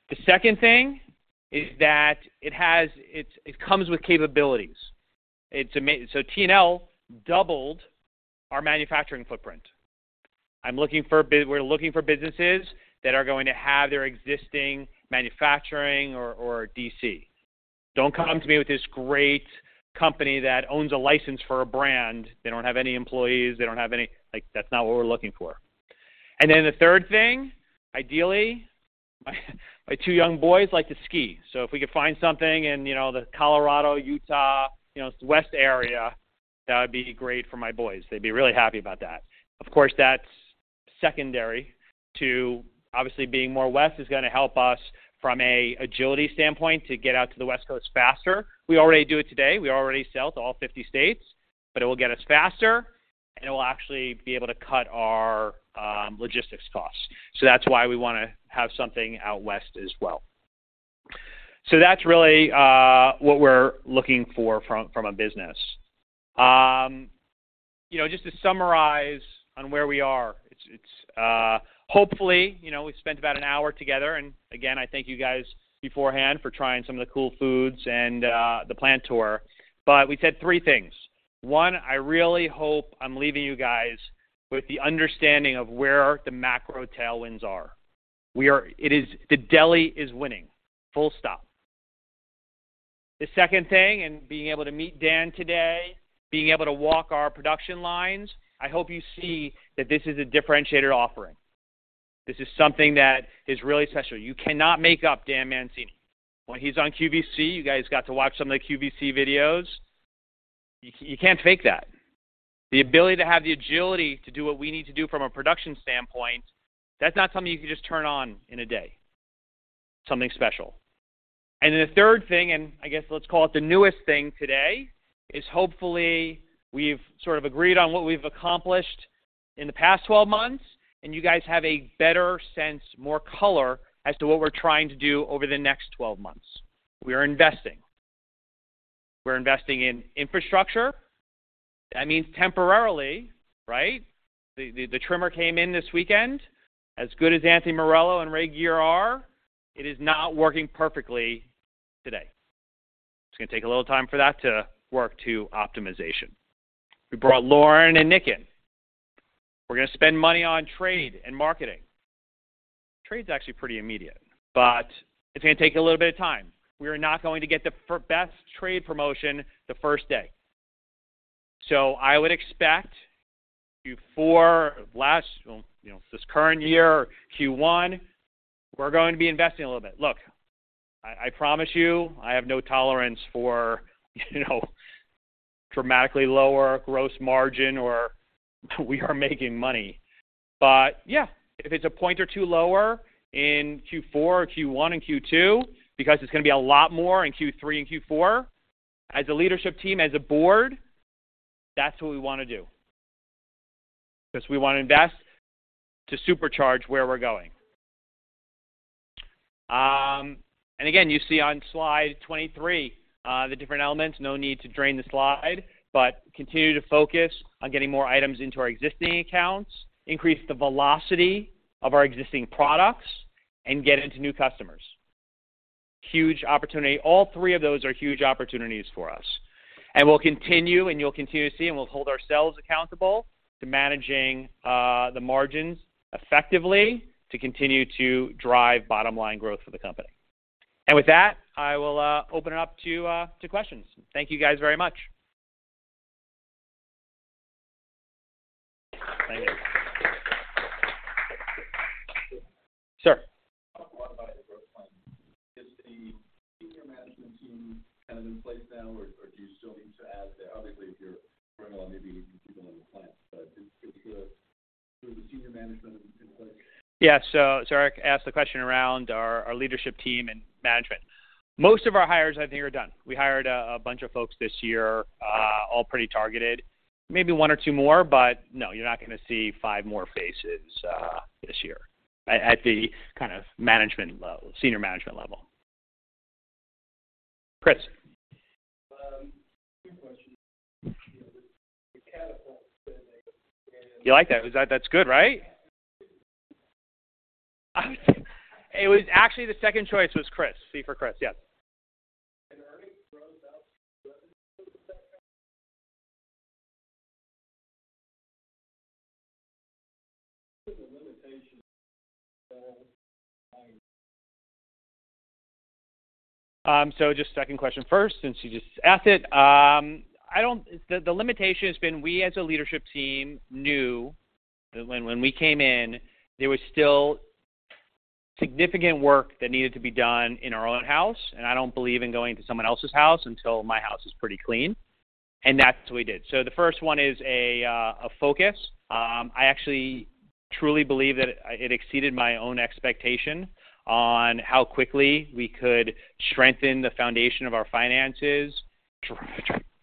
The second thing is that it has, it's, it comes with capabilities. It's an M&A, so T&L doubled our manufacturing footprint. I'm looking for, but we're looking for businesses that are going to have their existing manufacturing or DC. Don't come to me with this great company that owns a license for a brand. They don't have any employees. They don't have any, like, that's not what we're looking for. Then the third thing, ideally, my two young boys like to ski. So if we could find something in, you know, Colorado, Utah, you know, west area, that would be great for my boys. They'd be really happy about that. Of course, that's secondary to obviously, being more west is gonna help us from a agility standpoint to get out to the West Coast faster. We already do it today. We already sell to all 50 states. But it will get us faster. And it will actually be able to cut our logistics costs. So that's why we wanna have something out west as well. So that's really what we're looking for from a business. You know, just to summarize on where we are, it's hopefully, you know, we've spent about an hour together. I thank you guys beforehand for trying some of the cool foods and the plant tour. But we said three things. One, I really hope I'm leaving you guys with the understanding of where the macro tailwinds are. We are it is the deli is winning, full stop. The second thing, and being able to meet Dan Mancini today, being able to walk our production lines, I hope you see that this is a differentiated offering. This is something that is really special. You cannot make up Dan Mancini. When he's on QVC, you guys got to watch some of the QVC videos. You can't fake that. The ability to have the agility to do what we need to do from a production standpoint, that's not something you can just turn on in a day. Something special. Then the third thing, and I guess let's call it the newest thing today, is hopefully, we've sort of agreed on what we've accomplished in the past 12 months. You guys have a better sense, more color as to what we're trying to do over the next 12 months. We are investing. We're investing in infrastructure. That means temporarily, right, the trimmer came in this weekend. As good as Anthony Morello and Ray Geer are, it is not working perfectly today. It's gonna take a little time for that to work to optimization. We brought Lauren and Nick in. We're gonna spend money on trade and marketing. Trade's actually pretty immediate. But it's gonna take a little bit of time. We are not going to get the best trade promotion the first day. So I would expect before last well, you know, this current year, Q1, we're going to be investing a little bit. Look, I, I promise you, I have no tolerance for, you know, dramatically lower gross margin or we are making money. But yeah, if it's a point or two lower in Q4 or Q1 and Q2 because it's gonna be a lot more in Q3 and Q4, as a leadership team, as a board, that's what we wanna do. 'Cause we wanna invest to supercharge where we're going. And again, you see on slide 23, the different elements. No need to drain the slide. But continue to focus on getting more items into our existing accounts, increase the velocity of our existing products, and get into new customers. Huge opportunity. All three of those are huge opportunities for us. And we'll continue, and you'll continue to see, and we'll hold ourselves accountable to managing the margins effectively to continue to drive bottom line growth for the company. And with that, I will open it up to questions. Thank you guys very much. Thank you. Sir. Modify the growth plan. Is the senior management team kind of in place now, or do you still need to add there? Obviously, if you're bringing on maybe even people in the plant. But is the senior management in place? Yeah. So Eric asked the question around our leadership team and management. Most of our hires, I think, are done. We hired a bunch of folks this year, all pretty targeted, maybe one or two more. But no, you're not gonna see five more faces this year at the kind of management level, senior management level. Chris? Two questions. You know, the catapult said they and. You like that? Was that that's good, right? I would say it was actually the second choice was Chris. C for Chris. Yes. And earnings grows out revenue with that company? The limitation of buying. So just second question first since you just asked it. I don't, it's the limitation has been we as a leadership team knew that when we came in, there was still significant work that needed to be done in our own house. And I don't believe in going to someone else's house until my house is pretty clean. And that's what we did. So the first one is a focus. I actually truly believe that it, it exceeded my own expectation on how quickly we could strengthen the foundation of our finances.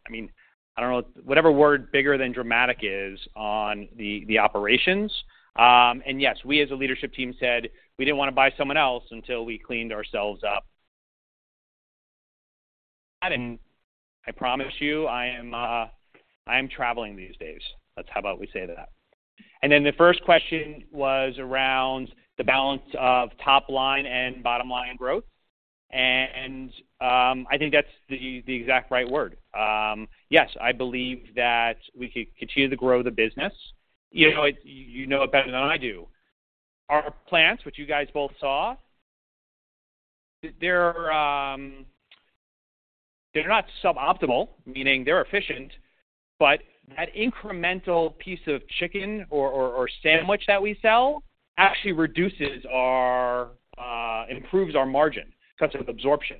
I mean, I don't know whatever word bigger than dramatic is on the operations. Yes, we as a leadership team said, "We didn't wanna buy someone else until we cleaned ourselves up." Adam. I promise you, I am traveling these days. Let's, how about we say that. Then the first question was around the balance of top line and bottom line growth. I think that's the exact right word. Yes, I believe that we could continue to grow the business. You know, it you know it better than I do. Our plants, which you guys both saw, there are, they're not suboptimal, meaning they're efficient. But that incremental piece of chicken or sandwich that we sell actually reduces our, improves our margin, covers absorption.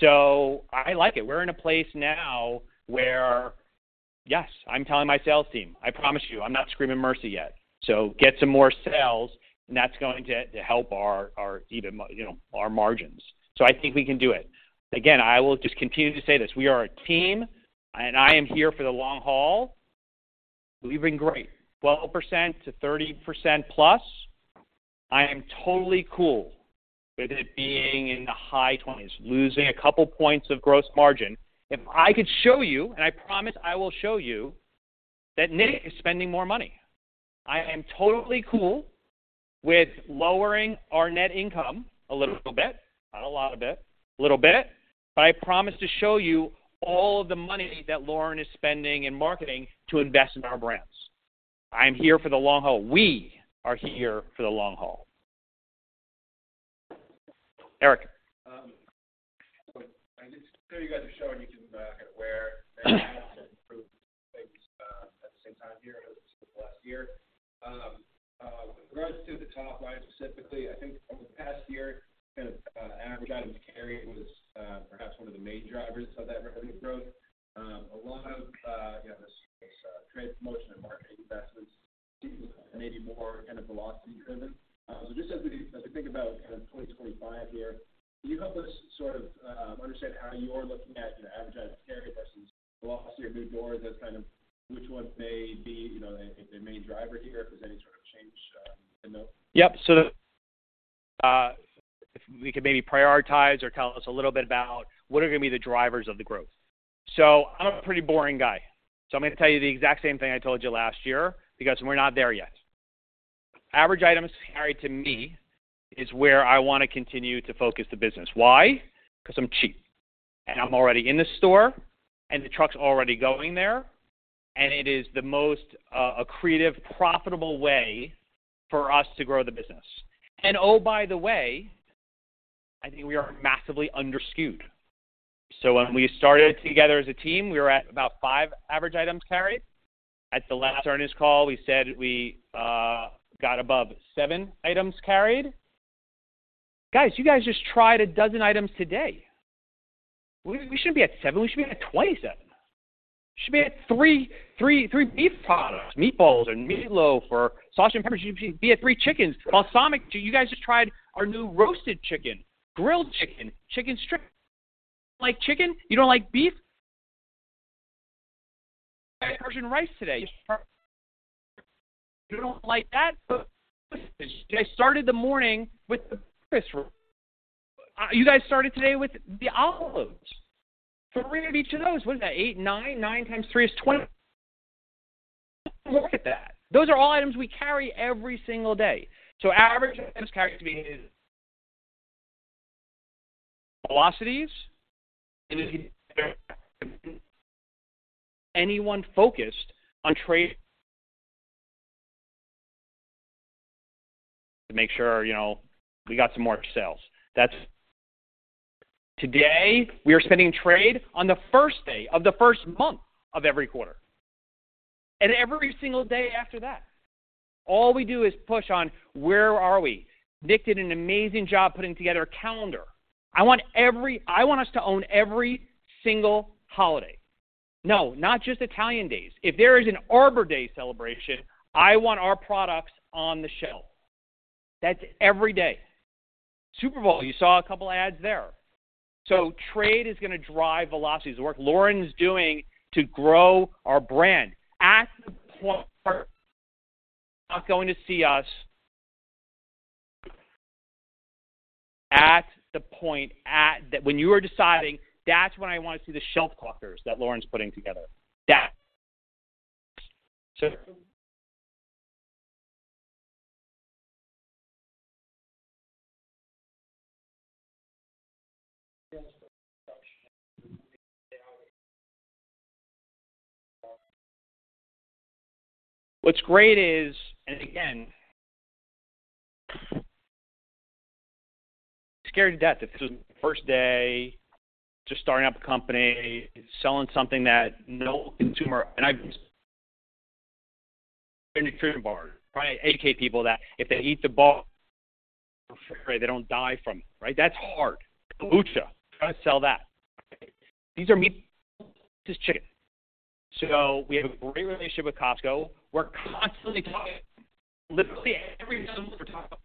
So I like it. We're in a place now where, yes, I'm telling my sales team, I promise you, I'm not screaming mercy yet. So get some more sales. And that's going to help our, our even m you know, our margins. So I think we can do it. Again, I will just continue to say this. We are a team. And I am here for the long haul. We've been great, 12% to 30% plus. I am totally cool with it being in the high 20s, losing a couple points of gross margin. If I could show you, and I promise I will show you, that Nick is spending more money. I am totally cool with lowering our net income a little bit, not a lot of bit, a little bit. But I promise to show you all of the money that Lauren is spending in marketing to invest in our brands. I'm here for the long haul. We are here for the long haul. Eric? So I can show you guys the show. And you can, kinda wear their hats and improve things, at the same time here as, as the last year. With regards to the top line specifically, I think over the past year, kind of, average items carried was, perhaps one of the main drivers of that revenue growth. A lot of, you know, this, this, trade promotion and marketing investments seem maybe more kind of velocity driven. So just as we think about kind of 2025 here, can you help us sort of understand how you're looking at, you know, average items carried versus velocity or new doors as kind of which one may be, you know, the main driver here, if there's any sort of change to note? Yep. So if we could maybe prioritize or tell us a little bit about what are gonna be the drivers of the growth. So I'm a pretty boring guy. So I'm gonna tell you the exact same thing I told you last year because we're not there yet. Average items carried to me is where I wanna continue to focus the business. Why? 'Cause I'm cheap. And I'm already in the store. And the truck's already going there. And it is the most accretive, profitable way for us to grow the business. Oh, by the way, I think we are massively under-SKU'd. So when we started together as a team, we were at about five average items carried. At the last earnings call, we said we got above seven items carried. Guys, you guys just tried 12 items today. We shouldn't be at seven. We should be at 27. We should be at three, three, three beef products, meatballs or meatloaf or sausage and peppers. You should be at Three Chickens. Balsamic, do you guys just tried our new roasted chicken, grilled chicken, chicken strip? You don't like chicken? You don't like beef? You guys had Persian rice today. You don't like that? You guys started today with the olives. Three of each of those. What is that, 8, 9? 9 times 3 is 20. Look at that. Those are all items we carry every single day. So average items carried to me is velocities. And if you get better anyone focused on trade to make sure, you know, we got some more sales. That's today, we are spending trade on the first day of the first month of every quarter. And every single day after that, all we do is push on where are we? Nick did an amazing job putting together a calendar. I want every I want us to own every single holiday. No, not just Italian Days. If there is an Arbor Day celebration, I want our products on the shelf. That's every day. Super Bowl, you saw a couple ads there. So trade is gonna drive velocities. The work Lauren's doing to grow our brand at the point. Not going to see us at the point at that when you are deciding, "That's when I wanna see the shelf clockers that Lauren's putting together." What's great is, and again, scared to death if this is the first day just starting up a company, selling something that no consumer and I've been a nutrition bar, trying to educate people that if they eat the ball, they don't die from it, right? That's hard. It's a lucha. Trying to sell that, right? These are meats. This is chicken. So we have a great relationship with Costco. We're constantly talking literally every month we're talking about.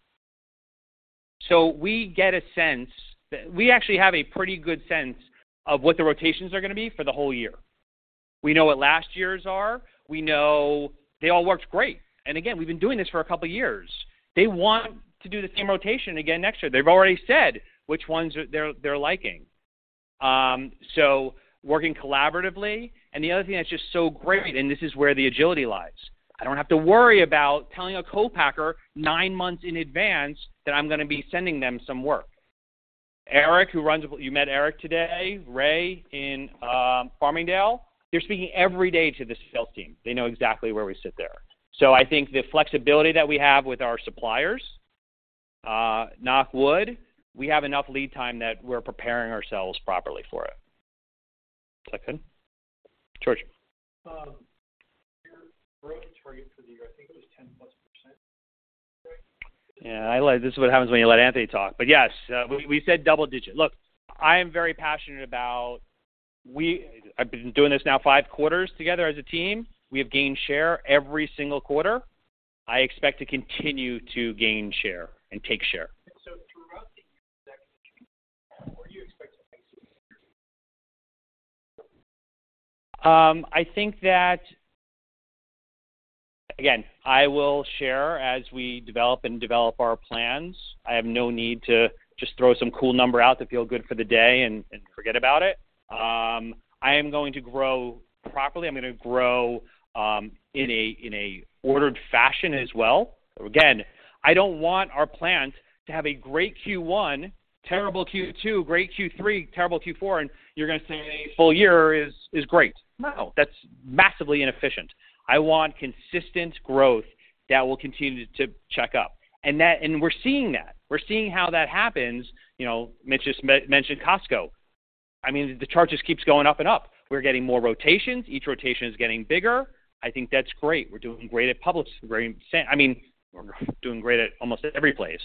So we get a sense that we actually have a pretty good sense of what the rotations are gonna be for the whole year. We know what last year's are. We know they all worked great. Again, we've been doing this for a couple years. They want to do the same rotation again next year. They've already said which ones they're liking, so working collaboratively. And the other thing that's just so great, and this is where the agility lies, I don't have to worry about telling a co-packer nine months in advance that I'm gonna be sending them some work. Eric, who runs—you met Eric today—Ray in Farmingdale, they're speaking every day to the sales team. They know exactly where we sit there. So I think the flexibility that we have with our suppliers, knock wood, we have enough lead time that we're preparing ourselves properly for it. Second, George. Your growth target for the year, I think it was 10%+, right? Yeah. I like this is what happens when you let Anthony talk. But yes, we said double digit. Look, I am very passionate about we I've been doing this now five quarters together as a team. We have gained share every single quarter. I expect to continue to gain share and take share. So throughout the year, is that gonna change? Or do you expect to? I think that again, I will share as we develop our plans. I have no need to just throw some cool number out to feel good for the day and forget about it. I am going to grow properly. I'm gonna grow in a ordered fashion as well. Again, I don't want our plants to have a great Q1, terrible Q2, great Q3, terrible Q4, and you're gonna say a full year is great. No. That's massively inefficient. I want consistent growth that will continue to check up. And that and we're seeing that. We're seeing how that happens. You know, Mitch just mentioned Costco. I mean, the chart just keeps going up and up. We're getting more rotations. Each rotation is getting bigger. I think that's great. We're doing great at Publix. I mean, we're doing great at almost every place.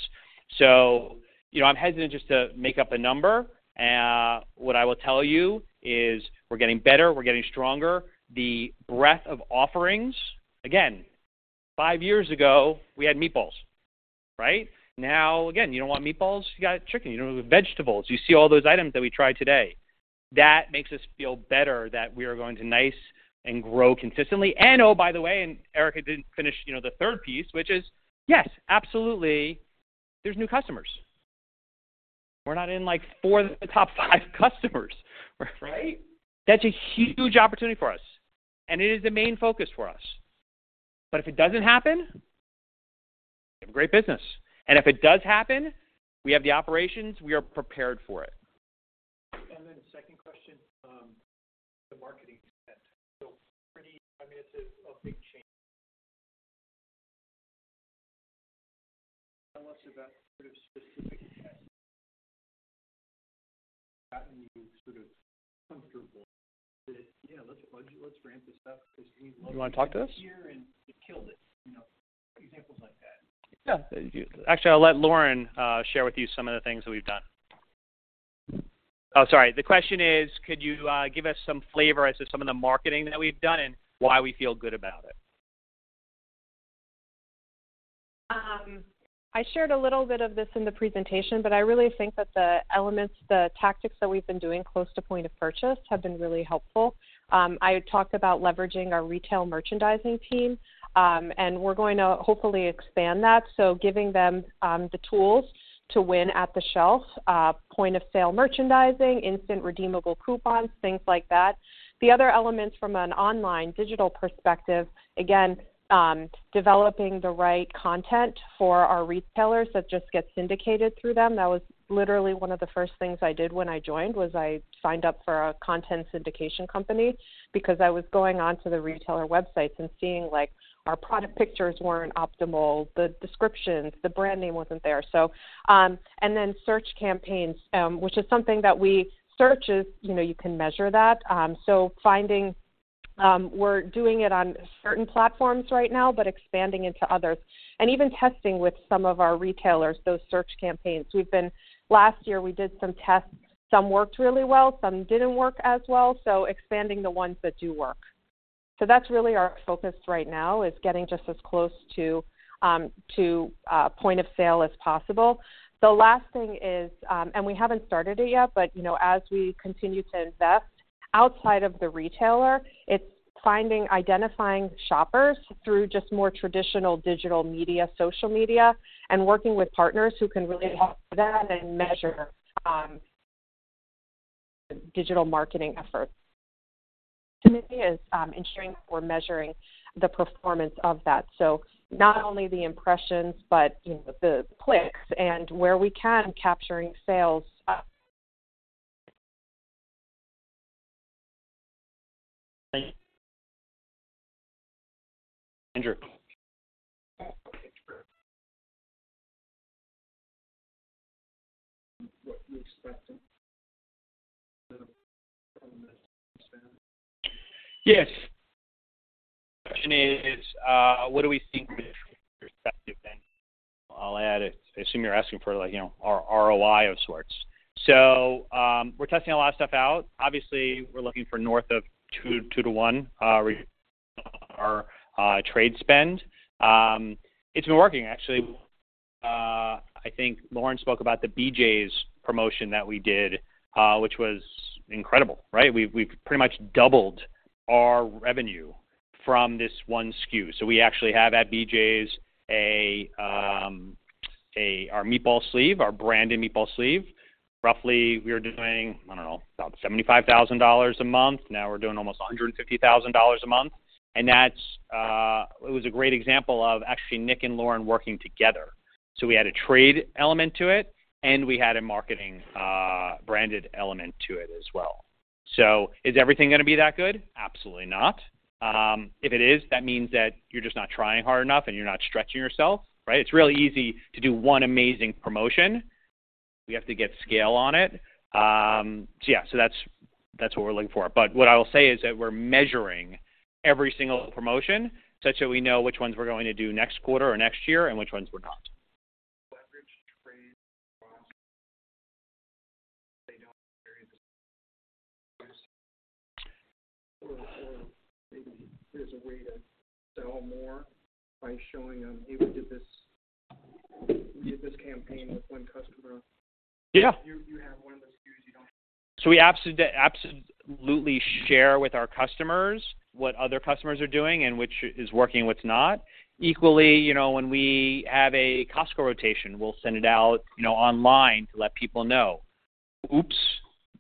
So, you know, I'm hesitant just to make up a number. What I will tell you is we're getting better. We're getting stronger. The breadth of offerings, again, five years ago, we had meatballs, right? Now, again, you don't want meatballs. You got chicken. You don't want vegetables. You see all those items that we tried today. That makes us feel better that we are going to nice and grow consistently. And oh, by the way, and Eric didn't finish, you know, the third piece, which is, yes, absolutely, there's new customers. We're not in, like, four of the top five customers. We're right? That's a huge opportunity for us. It is the main focus for us. But if it doesn't happen, we have a great business. If it does happen, we have the operations. We are prepared for it. Then the second question, the marketing spend. So pretty, I mean, it's a big change. Tell us about sort of specific tests that have gotten you sort of comfortable that, "Yeah, let's budget. Let's ramp this up 'cause we love." You wanna talk to us? Here and it killed it, you know, examples like that. Yeah. Actually, I'll let Lauren share with you some of the things that we've done. Oh, sorry. The question is, could you give us some flavor as to some of the marketing that we've done and why we feel good about it? I shared a little bit of this in the presentation. But I really think that the elements, the tactics that we've been doing close to point of purchase have been really helpful. I had talked about leveraging our retail merchandising team. And we're going to hopefully expand that. So giving them, the tools to win at the shelf, point of sale merchandising, instant redeemable coupons, things like that. The other elements from an online digital perspective, again, developing the right content for our retailers that just gets syndicated through them. That was literally one of the first things I did when I joined was I signed up for a content syndication company because I was going onto the retailer websites and seeing, like, our product pictures weren't optimal, the descriptions, the brand name wasn't there. And then search campaigns, which is something that we search, you know, you can measure that. We're doing it on certain platforms right now but expanding into others. And even testing with some of our retailers, those search campaigns. Last year, we did some tests. Some worked really well. Some didn't work as well. So expanding the ones that do work. So that's really our focus right now is getting just as close to point of sale as possible. The last thing is, and we haven't started it yet. But, you know, as we continue to invest outside of the retailer, it's identifying shoppers through just more traditional digital media, social media, and working with partners who can really help with that and measure digital marketing efforts. To me is ensuring that we're measuring the performance of that. So not only the impressions but, you know, the clicks and where we can capturing sales. Andrew. What do you expect from the spend? Yes. Question is, what do we see from your perspective then? I'll add it. I assume you're asking for, like, you know, our ROI of sorts. So, we're testing a lot of stuff out. Obviously, we're looking for north of 2 to 1, our trade spend. It's been working, actually. I think Lauren spoke about the BJ's promotion that we did, which was incredible, right? We've, we've pretty much doubled our revenue from this one SKU. So we actually have at BJ's a, a our meatball sleeve, our branded meatball sleeve. Roughly, we are doing, I don't know, about $75,000 a month. Now we're doing almost $150,000 a month. And that's, it was a great example of actually Nick and Lauren working together. So we had a trade element to it. And we had a marketing, branded element to it as well. So is everything gonna be that good? Absolutely not. If it is, that means that you're just not trying hard enough and you're not stretching yourself, right? It's really easy to do one amazing promotion. We have to get scale on it. So yeah. So that's, that's what we're looking for. But what I will say is that we're measuring every single promotion such that we know which ones we're going to do next quarter or next year and which ones we're not. Average trade cost. They don't carry the. Or maybe there's a way to sell more by showing them, "Hey, we did this campaign with one customer." Yeah. You have one of the SKUs. You don't. So we absolutely share with our customers what other customers are doing and which is working, what's not. Equally, you know, when we have a Costco rotation, we'll send it out, you know, online to let people know, "Oops.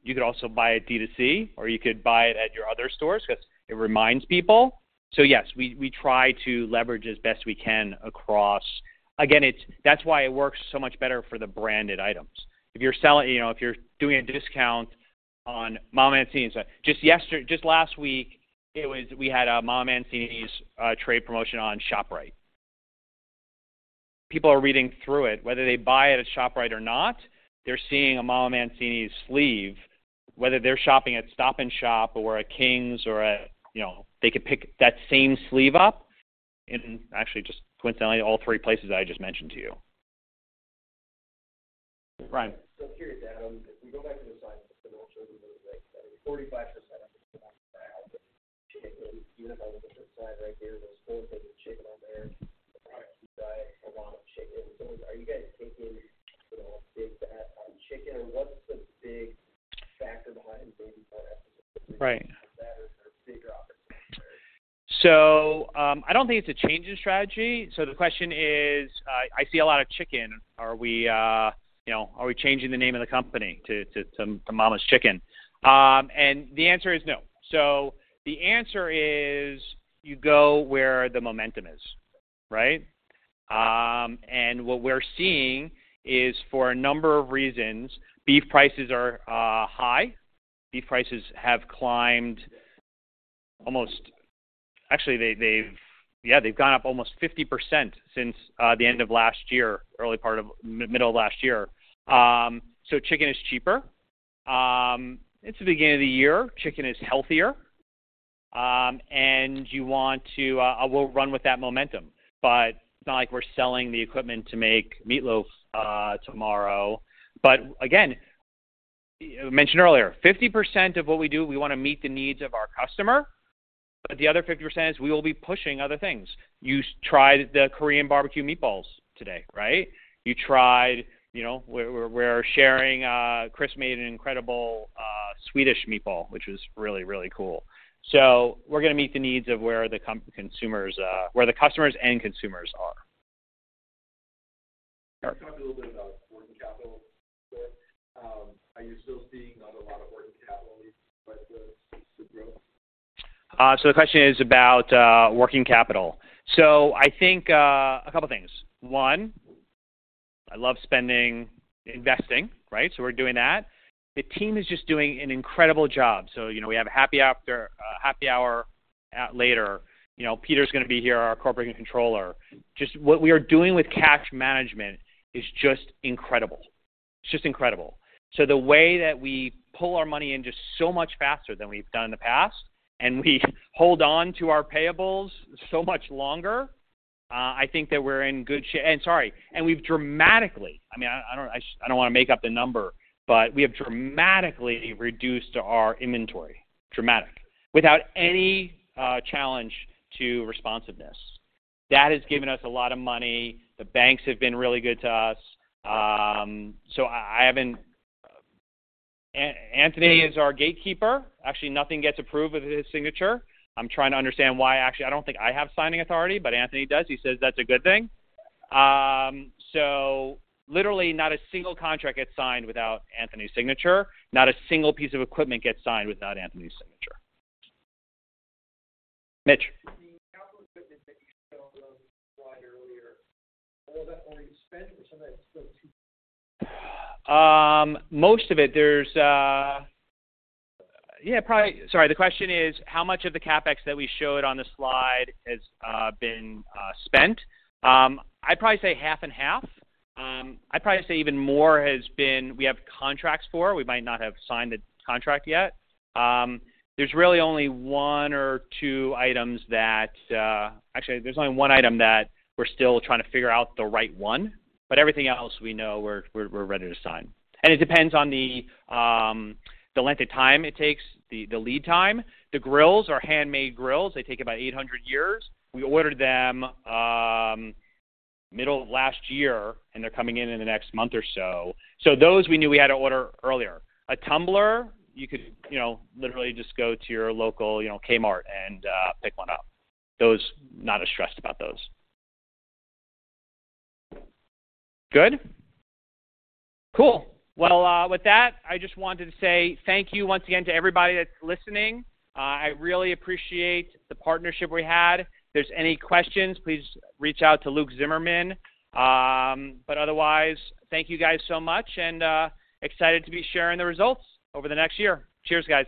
You could also buy it DTC. Or you could buy it at your other stores 'cause it reminds people." So yes, we try to leverage as best we can across again, it's that's why it works so much better for the branded items. If you're selling, you know, if you're doing a discount on Mama Mancini's just yesterday, just last week, it was we had a Mama Mancini's trade promotion on ShopRite. People are reading through it. Whether they buy it at ShopRite or not, they're seeing a Mama Mancini's sleeve, whether they're shopping at Stop & Shop or at Kings or at, you know, they could pick that same sleeve up in actually, just coincidentally, all three places that I just mentioned to you. Ryan. So curious, Adam, if we go back to the side of the commercials a little bit, that is 45% of the chicken, even if I look at this slide right here, those four things of chicken on there, the product you buy, a lot of chicken. So are you guys taking, you know, a big bet on chicken? Or what's the big factor behind maybe more efficiency? Right. Is that or is there a bigger opportunity there? So, I don't think it's a change in strategy. So the question is, I see a lot of chicken. Are we, you know, are we changing the name of the company to Mama's Chicken? And the answer is no. So the answer is you go where the momentum is, right? And what we're seeing is for a number of reasons, beef prices are high. Beef prices have climbed. Actually, they've gone up almost 50% since the end of last year, early part of middle of last year. So chicken is cheaper. It's the beginning of the year. Chicken is healthier. And you want to, we'll run with that momentum. But it's not like we're selling the equipment to make meatloaf tomorrow. But again, I mentioned earlier, 50% of what we do, we wanna meet the needs of our customer. But the other 50% is we will be pushing other things. You tried the Korean barbecue meatballs today, right? You tried, you know, we're sharing. Chris made an incredible Swedish meatball, which was really, really cool. So we're gonna meet the needs of where the consumers, where the customers and consumers are. Eric. You talked a little bit about working capital. Are you still seeing not a lot of working capital with the growth? So the question is about working capital. So I think a couple things. One, I love spending investing, right? So we're doing that. The team is just doing an incredible job. So, you know, we have a happy hour later. You know, Peter's gonna be here, our corporate controller. Just what we are doing with cash management is just incredible. It's just incredible. So the way that we pull our money in just so much faster than we've done in the past and we hold on to our payables so much longer, I think that we're in good shape, and sorry. And we've dramatically—I mean, I don't wanna make up the number. But we have dramatically reduced our inventory, dramatic, without any challenge to responsiveness. That has given us a lot of money. The banks have been really good to us. So I haven't—Anthony is our gatekeeper. Actually, nothing gets approved without his signature. I'm trying to understand why. Actually, I don't think I have signing authority. But Anthony does. He says that's a good thing. So literally, not a single contract gets signed without Anthony's signature. Not a single piece of equipment gets signed without Anthony's signature. Mitch. The capital equipment that you showed on the slide earlier, all that money you spent, or some of that is still too? Most of it. There's, yeah, probably sorry. The question is, how much of the CapEx that we showed on the slide has been spent? I'd probably say half and half. I'd probably say even more has been; we have contracts for. We might not have signed the contract yet. There's really only one or two items that, actually, there's only one item that we're still trying to figure out the right one. But everything else, we know we're ready to sign. And it depends on the length of time it takes, the lead time. The grills are handmade grills. They take about 800 years. We ordered them middle of last year. And they're coming in in the next month or so. So those, we knew we had to order earlier. A tumbler, you could, you know, literally just go to your local, you know, Kmart and pick one up. Those not as stressed about those. Good? Cool. Well, with that, I just wanted to say thank you once again to everybody that's listening. I really appreciate the partnership we had. If there's any questions, please reach out to Luke Zimmerman. But otherwise, thank you guys so much. And excited to be sharing the results over the next year. Cheers, guys.